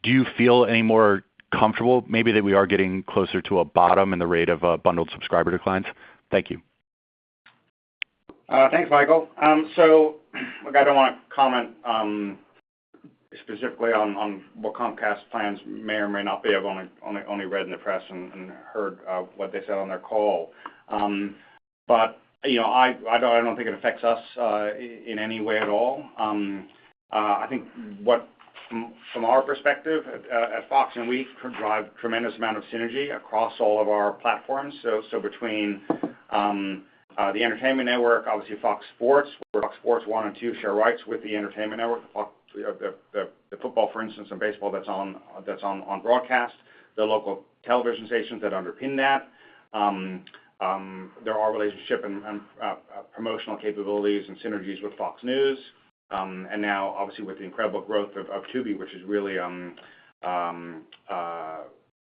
Do you feel any more comfortable, maybe, that we are getting closer to a bottom in the rate of bundled subscriber declines? Thank you. Thanks, Michael. So I don't want to comment specifically on what Comcast's plans may or may not be. I've only read in the press and heard what they said on their call. But I don't think it affects us in any way at all. I think from our perspective at Fox, we drive a tremendous amount of synergy across all of our platforms. So between the entertainment network, obviously, FOX Sports, FOX Sports 1 and 2 share rights with the entertainment network, the football, for instance, and baseball that's on broadcast, the local television stations that underpin that, there are relationship and promotional capabilities and synergies with FOX News. And now, obviously, with the incredible growth of Tubi, which is really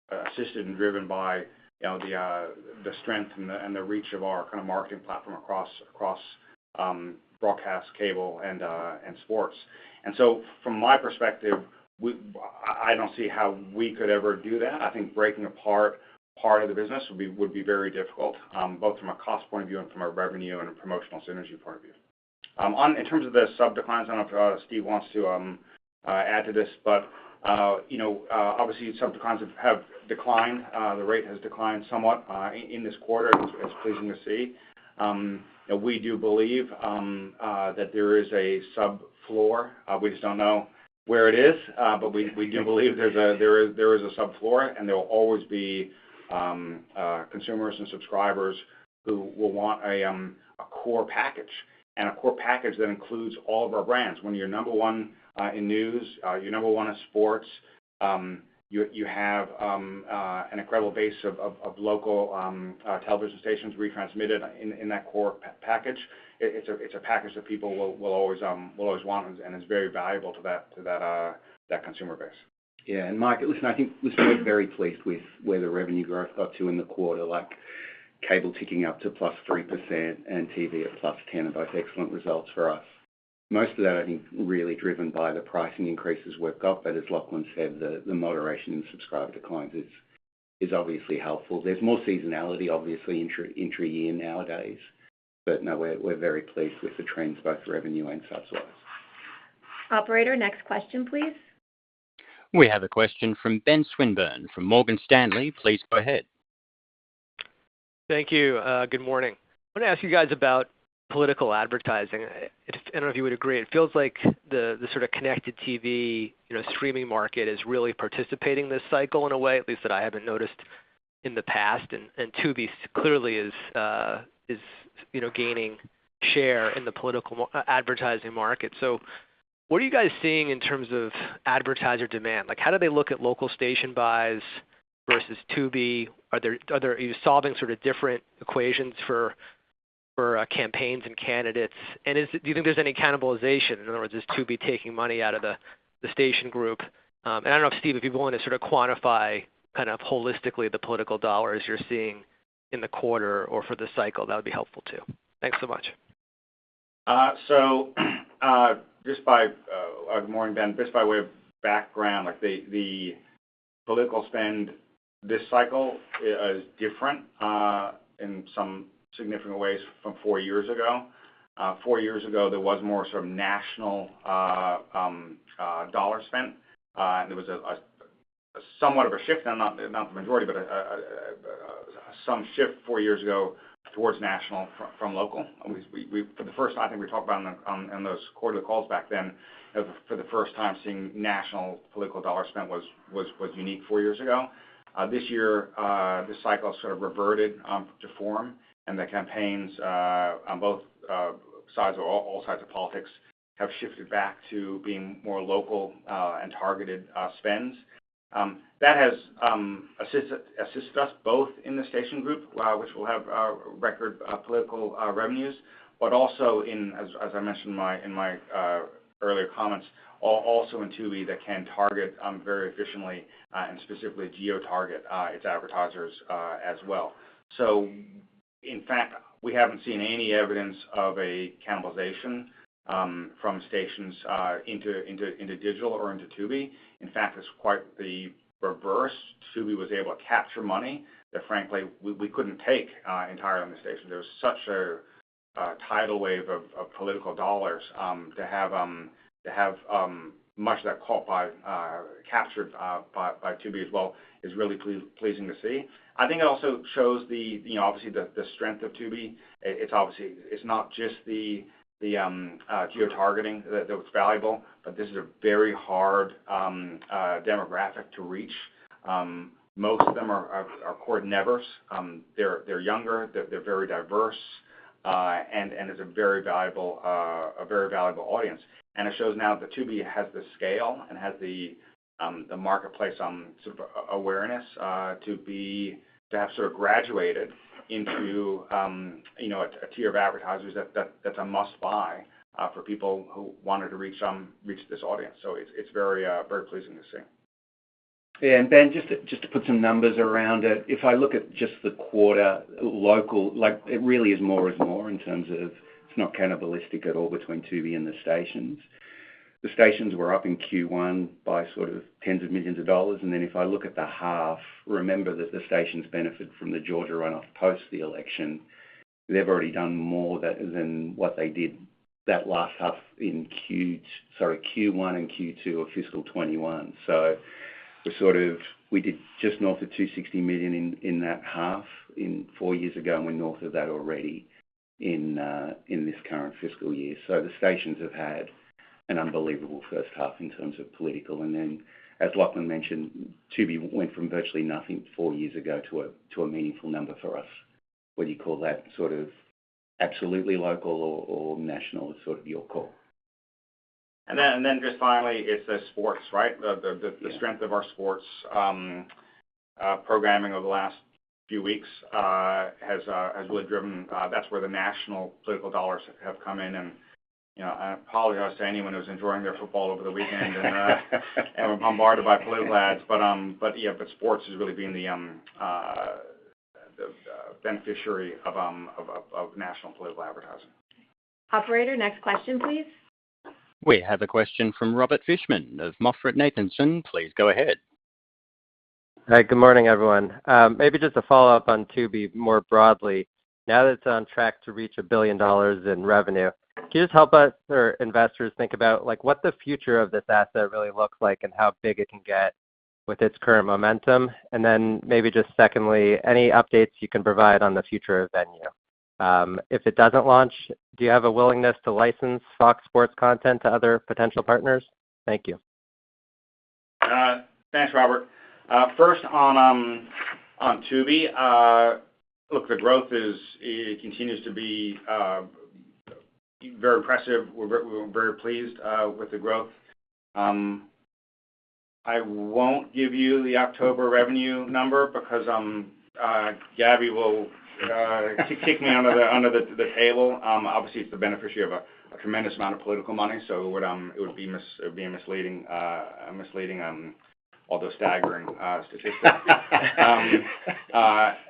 assisted and driven by the strength and the reach of our kind of marketing platform across broadcast, cable, and sports. From my perspective, I don't see how we could ever do that. I think breaking apart part of the business would be very difficult, both from a cost point of view and from a revenue and a promotional synergy point of view. In terms of the sub-declines, I don't know if Steve wants to add to this, but obviously, sub-declines have declined. The rate has declined somewhat in this quarter, as pleasing to see. We do believe that there is a sub-floor. We just don't know where it is, but we do believe there is a sub-floor, and there will always be consumers and subscribers who will want a core package and a core package that includes all of our brands. When you're number one in news, you're number one in sports, you have an incredible base of local television stations retransmitted in that core package. It's a package that people will always want, and it's very valuable to that consumer base. Yeah, and Michael, listen, I think we're very pleased with where the revenue growth got to in the quarter, like cable ticking up to +3% and TV at +10%, and both excellent results for us. Most of that, I think, really driven by the pricing increases we've got. But as Lachlan said, the moderation in subscriber declines is obviously helpful. There's more seasonality, obviously, intra-year nowadays, but no, we're very pleased with the trends, both revenue and subscribers. Operator, next question, please. We have a question from Ben Swinburne from Morgan Stanley. Please go ahead. Thank you. Good morning. I want to ask you guys about political advertising. I don't know if you would agree. It feels like the sort of connected TV streaming market is really participating this cycle in a way, at least that I haven't noticed in the past, and Tubi clearly is gaining share in the political advertising market. So what are you guys seeing in terms of advertiser demand? How do they look at local station buys versus Tubi? Are you solving sort of different equations for campaigns and candidates? And do you think there's any cannibalization? In other words, is Tubi taking money out of the station group? And I don't know if Steve, if you want to sort of quantify kind of holistically the political dollars you're seeing in the quarter or for the cycle, that would be helpful too. Thanks so much. Good morning, Ben. Just by way of background, the political spend this cycle is different in some significant ways from four years ago. Four years ago, there was more sort of national dollar spent, and there was somewhat of a shift, not the majority, but some shift four years ago towards national from local. For the first time, I think we talked about in those quarterly calls back then, for the first time, seeing national political dollar spent was unique four years ago. This year, this cycle sort of reverted to form, and the campaigns on both sides of all sides of politics have shifted back to being more local and targeted spends. That has assisted us both in the station group, which will have record political revenues, but also, as I mentioned in my earlier comments, also in Tubi that can target very efficiently and specifically geotarget its advertisers as well. So in fact, we haven't seen any evidence of a cannibalization from stations into digital or into Tubi. In fact, it's quite the reverse. Tubi was able to capture money that, frankly, we couldn't take entirely on the station. There was such a tidal wave of political dollars. To have much of that captured by Tubi as well is really pleasing to see. I think it also shows the, obviously, strength of Tubi. It's not just the geotargeting that was valuable, but this is a very hard demographic to reach. Most of them are cord-nevers. They're younger. They're very diverse, and it's a very valuable audience. And it shows now that Tubi has the scale and has the marketplace awareness to have sort of graduated into a tier of advertisers that's a must-buy for people who wanted to reach this audience. So it's very pleasing to see. Yeah. And Ben, just to put some numbers around it, if I look at just the quarter, local, it really is more is more in terms of it's not cannibalistic at all between Tubi and the stations. The stations were up in Q1 by sort of tens of millions of dollars. And then if I look at the half, remember that the stations benefited from the Georgia runoff post the election. They've already done more than what they did that last half in Q1 and Q2 of fiscal 2021. So we did just north of $260 million in that half four years ago, and we're north of that already in this current fiscal year. So the stations have had an unbelievable first half in terms of political. And then, as Lachlan mentioned, Tubi went from virtually nothing four years ago to a meaningful number for us. Whether you call that sort of absolutely local or national is sort of your call. And then just finally, it's the sports, right? The strength of our sports programming over the last few weeks has really driven, that's where the national political dollars have come in. And I apologize to anyone who's enjoying their football over the weekend and were bombarded by political ads. But yeah, but sports has really been the beneficiary of national political advertising. Operator, next question, please. We have a question from Robert Fishman of MoffettNathanson. Please go ahead. Hi. Good morning, everyone. Maybe just a follow-up on Tubi more broadly. Now that it's on track to reach $1 billion in revenue, can you just help us or investors think about what the future of this asset really looks like and how big it can get with its current momentum? And then maybe just secondly, any updates you can provide on the future of Venu? If it doesn't launch, do you have a willingness to license FOX Sports content to other potential partners? Thank you. Thanks, Robert. First, on Tubi, look, the growth continues to be very impressive. We're very pleased with the growth. I won't give you the October revenue number because Gabby will kick me under the table. Obviously, it's the beneficiary of a tremendous amount of political money, so it would be misleading, although staggering, statistically.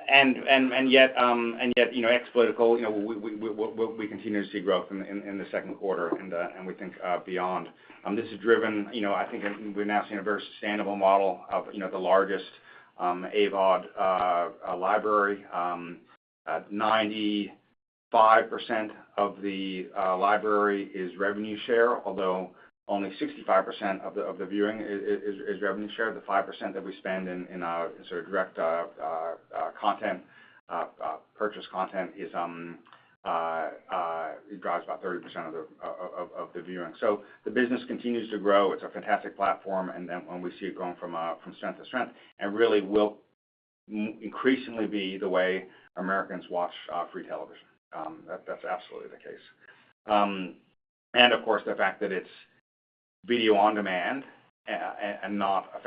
And yet, ex-political, we continue to see growth in the second quarter, and we think beyond. This is driven, I think, we're now seeing a very sustainable model of the largest AVOD library. 95% of the library is revenue share, although only 65% of the viewing is revenue share. The 5% that we spend in sort of direct content, purchase content, it drives about 30% of the viewing. So the business continues to grow. It's a fantastic platform. And then when we see it going from strength to strength, it really will increasingly be the way Americans watch free television. That's absolutely the case. And of course, the fact that it's video on demand and not a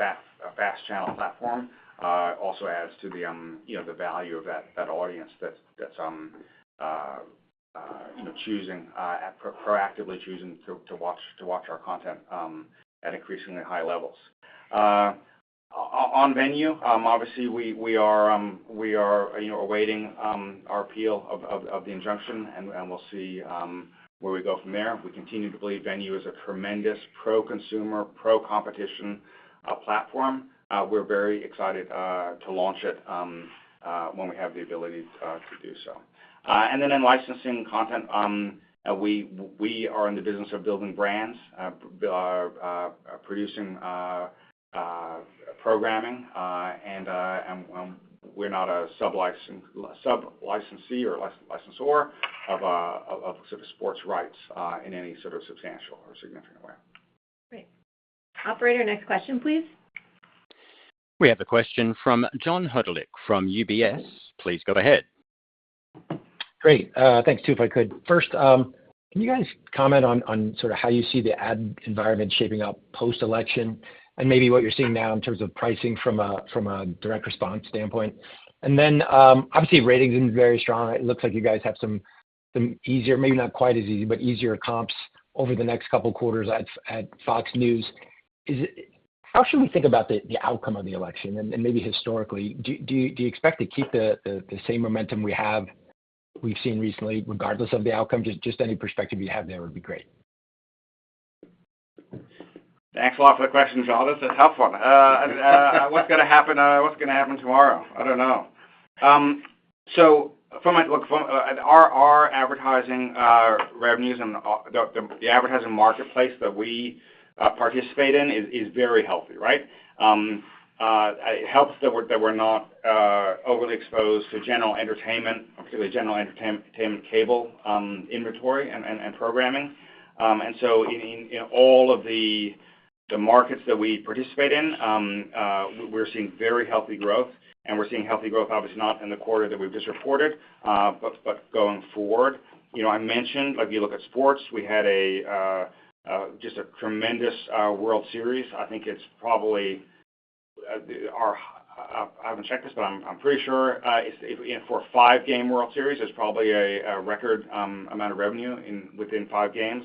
FAST channel platform also adds to the value of that audience that's proactively choosing to watch our content at increasingly high levels. On Venu, obviously, we are awaiting our appeal of the injunction, and we'll see where we go from there. We continue to believe Venu is a tremendous pro-consumer, pro-competition platform. We're very excited to launch it when we have the ability to do so. And then in licensing content, we are in the business of building brands, producing programming, and we're not a sublicensee or licensor of sort of sports rights in any sort of substantial or significant way. Great. Operator, next question, please. We have a question from John Hodulik from UBS. Please go ahead. Great. Thanks, too, if I could. First, can you guys comment on sort of how you see the ad environment shaping up post-election and maybe what you're seeing now in terms of pricing from a direct response standpoint? And then, obviously, ratings have been very strong. It looks like you guys have some easier, maybe not quite as easy, but easier comps over the next couple of quarters at FOX News. How should we think about the outcome of the election? And maybe historically, do you expect to keep the same momentum we have seen recently, regardless of the outcome? Just any perspective you have there would be great. Thanks a lot for the questions, John. It's helpful. What's going to happen tomorrow? I don't know. So look, our advertising revenues and the advertising marketplace that we participate in is very healthy, right? It helps that we're not overly exposed to general entertainment, particularly general entertainment cable inventory and programming. And so in all of the markets that we participate in, we're seeing very healthy growth. And we're seeing healthy growth, obviously, not in the quarter that we've just reported, but going forward. I mentioned, if you look at sports, we had just a tremendous World Series. I think it's probably, I haven't checked this, but I'm pretty sure for a five-game World Series, it's probably a record amount of revenue within five games.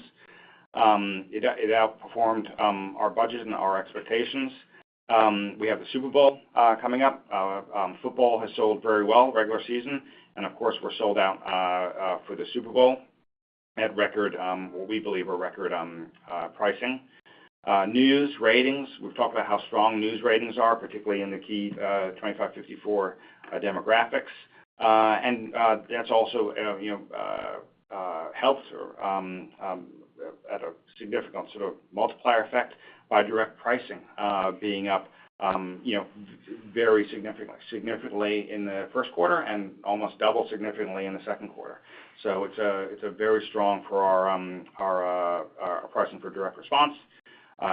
It outperformed our budget and our expectations. We have the Super Bowl coming up. Football has sold very well regular season. Of course, we're sold out for the Super Bowl at record, what we believe are record pricing. News ratings. We've talked about how strong news ratings are, particularly in the key 25-54 demographics. That's also helped at a significant sort of multiplier effect by direct pricing being up very significantly in the first quarter and almost double significantly in the second quarter. It's very strong for our pricing for direct response.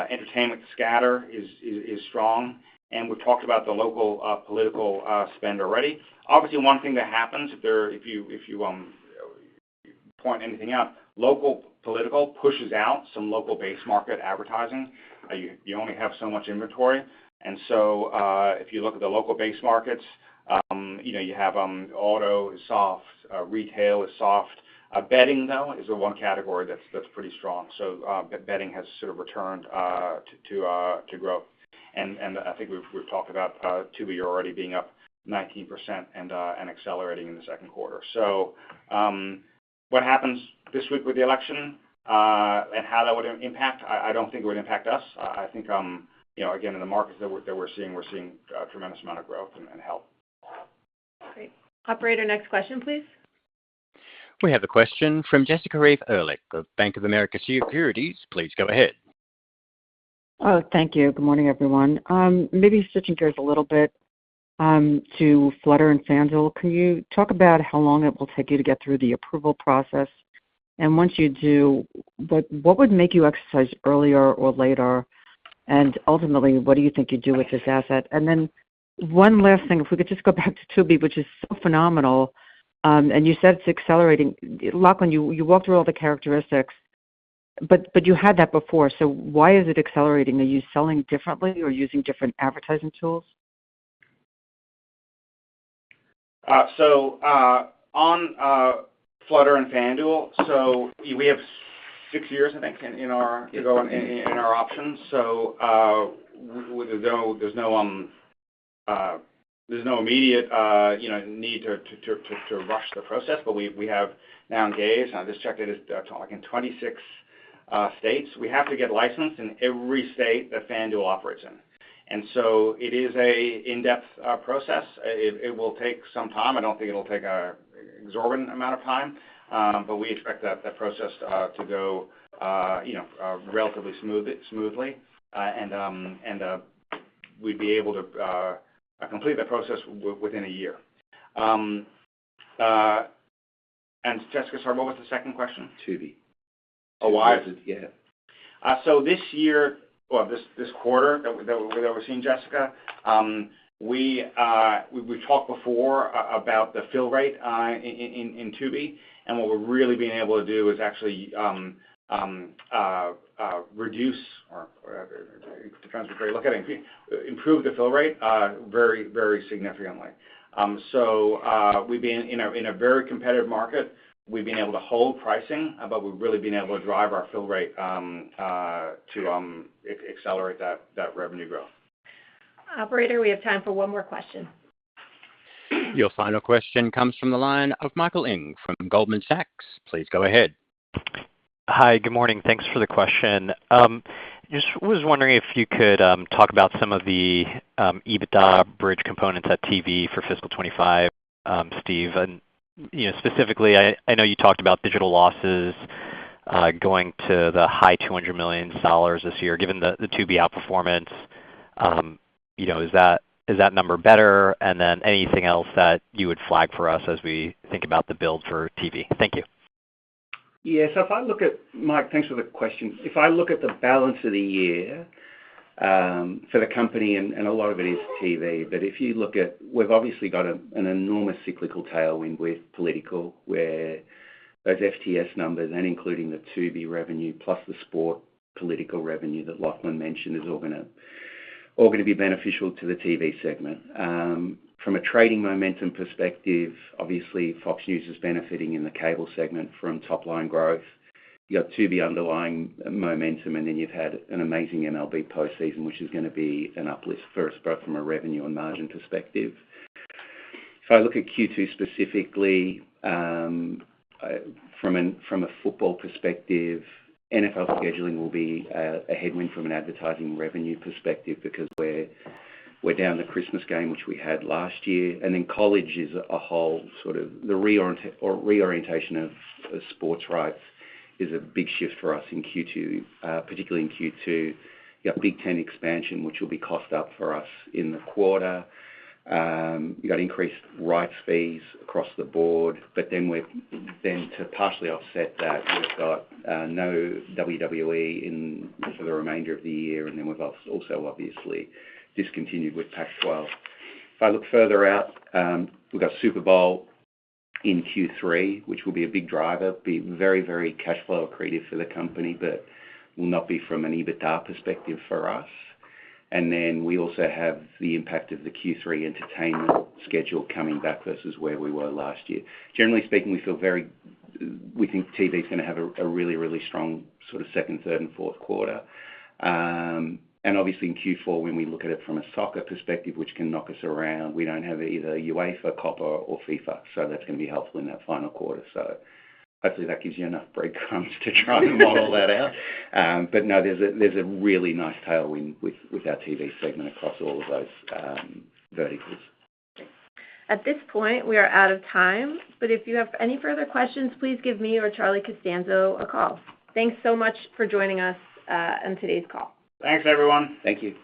Entertainment scatter is strong. We've talked about the local political spend already. Obviously, one thing that happens, if you point anything out, local political pushes out some local base market advertising. You only have so much inventory. If you look at the local base markets, you have auto is soft, retail is soft. Betting, though, is the one category that's pretty strong. Betting has sort of returned to grow. And I think we've talked about Tubi already being up 19% and accelerating in the second quarter. So what happens this week with the election and how that would impact? I don't think it would impact us. I think, again, in the markets that we're seeing, we're seeing a tremendous amount of growth and help. Great. Operator, next question, please. We have a question from Jessica Reif Ehrlich, the Bank of America Securities. Please go ahead. Thank you. Good morning, everyone. Maybe switching gears a little bit to Flutter and FanDuel, can you talk about how long it will take you to get through the approval process? And once you do, what would make you exercise earlier or later? And ultimately, what do you think you'd do with this asset? And then one last thing, if we could just go back to Tubi, which is so phenomenal. And you said it's accelerating. Lachlan, you walked through all the characteristics, but you had that before. So why is it accelerating? Are you selling differently or using different advertising tools? On Flutter and FanDuel, so we have six years, I think, in our options. There's no immediate need to rush the process, but we have now engaged. I just checked it. It's in 26 states. We have to get licensed in every state that FanDuel operates in. It is an in-depth process. It will take some time. I don't think it'll take an exorbitant amount of time, but we expect that process to go relatively smoothly. We'd be able to complete the process within a year. Jessica, sorry, what was the second question? Tubi. Oh, why is it? Yeah, so this year, well, this quarter that we're seeing, Jessica, we talked before about the fill rate in Tubi, and what we're really being able to do is actually reduce, depends on which way you look at it, improve the fill rate very significantly, so we've been in a very competitive market. We've been able to hold pricing, but we've really been able to drive our fill rate to accelerate that revenue growth. Operator, we have time for one more question. Your final question comes from the line of Michael Ng from Goldman Sachs. Please go ahead. Hi. Good morning. Thanks for the question. Just was wondering if you could talk about some of the EBITDA bridge components at TV for fiscal 2025, Steve, and specifically, I know you talked about digital losses going to the high $200 million this year. Given the Tubi outperformance, is that number better? And then anything else that you would flag for us as we think about the build for TV? Thank you. Yeah. So if I look at, Mike, thanks for the question. If I look at the balance of the year for the company, and a lot of it is TV, but if you look at, we've obviously got an enormous cyclical tailwind with political where those FTS numbers, and including the Tubi revenue plus the sport political revenue that Lachlan mentioned, is all going to be beneficial to the TV segment. From a trading momentum perspective, obviously, FOX News is benefiting in the cable segment from top-line growth. You've got Tubi underlying momentum, and then you've had an amazing MLB postseason, which is going to be an uplift for us both from a revenue and margin perspective. If I look at Q2 specifically, from a football perspective, NFL scheduling will be a headwind from an advertising revenue perspective because we're down the Christmas game, which we had last year. And then college is a whole sort of, the reorientation of sports rights is a big shift for us in Q2, particularly in Q2. You've got Big Ten expansion, which will be costs up for us in the quarter. You've got increased rights fees across the board. But then to partially offset that, we've got no WWE for the remainder of the year. And then we've also obviously discontinued with Pac-12. If I look further out, we've got Super Bowl in Q3, which will be a big driver, be very, very cash flow accretive for the company, but will not be from an EBITDA perspective for us. And then we also have the impact of the Q3 entertainment schedule coming back versus where we were last year. Generally speaking, we feel very, we think TV is going to have a really, really strong sort of second, third, and fourth quarter. And obviously, in Q4, when we look at it from a soccer perspective, which can knock us around, we don't have either UEFA, Copa, or FIFA. So that's going to be helpful in that final quarter. So hopefully, that gives you enough breadcrumbs to try and model that out. But no, there's a really nice tailwind with our TV segment across all of those verticals. At this point, we are out of time. But if you have any further questions, please give me or Charlie Costanzo a call. Thanks so much for joining us on today's call. Thanks, everyone. Thank you.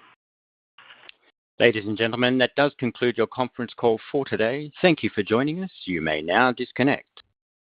Ladies and gentlemen, that does conclude your conference call for today. Thank you for joining us. You may now disconnect.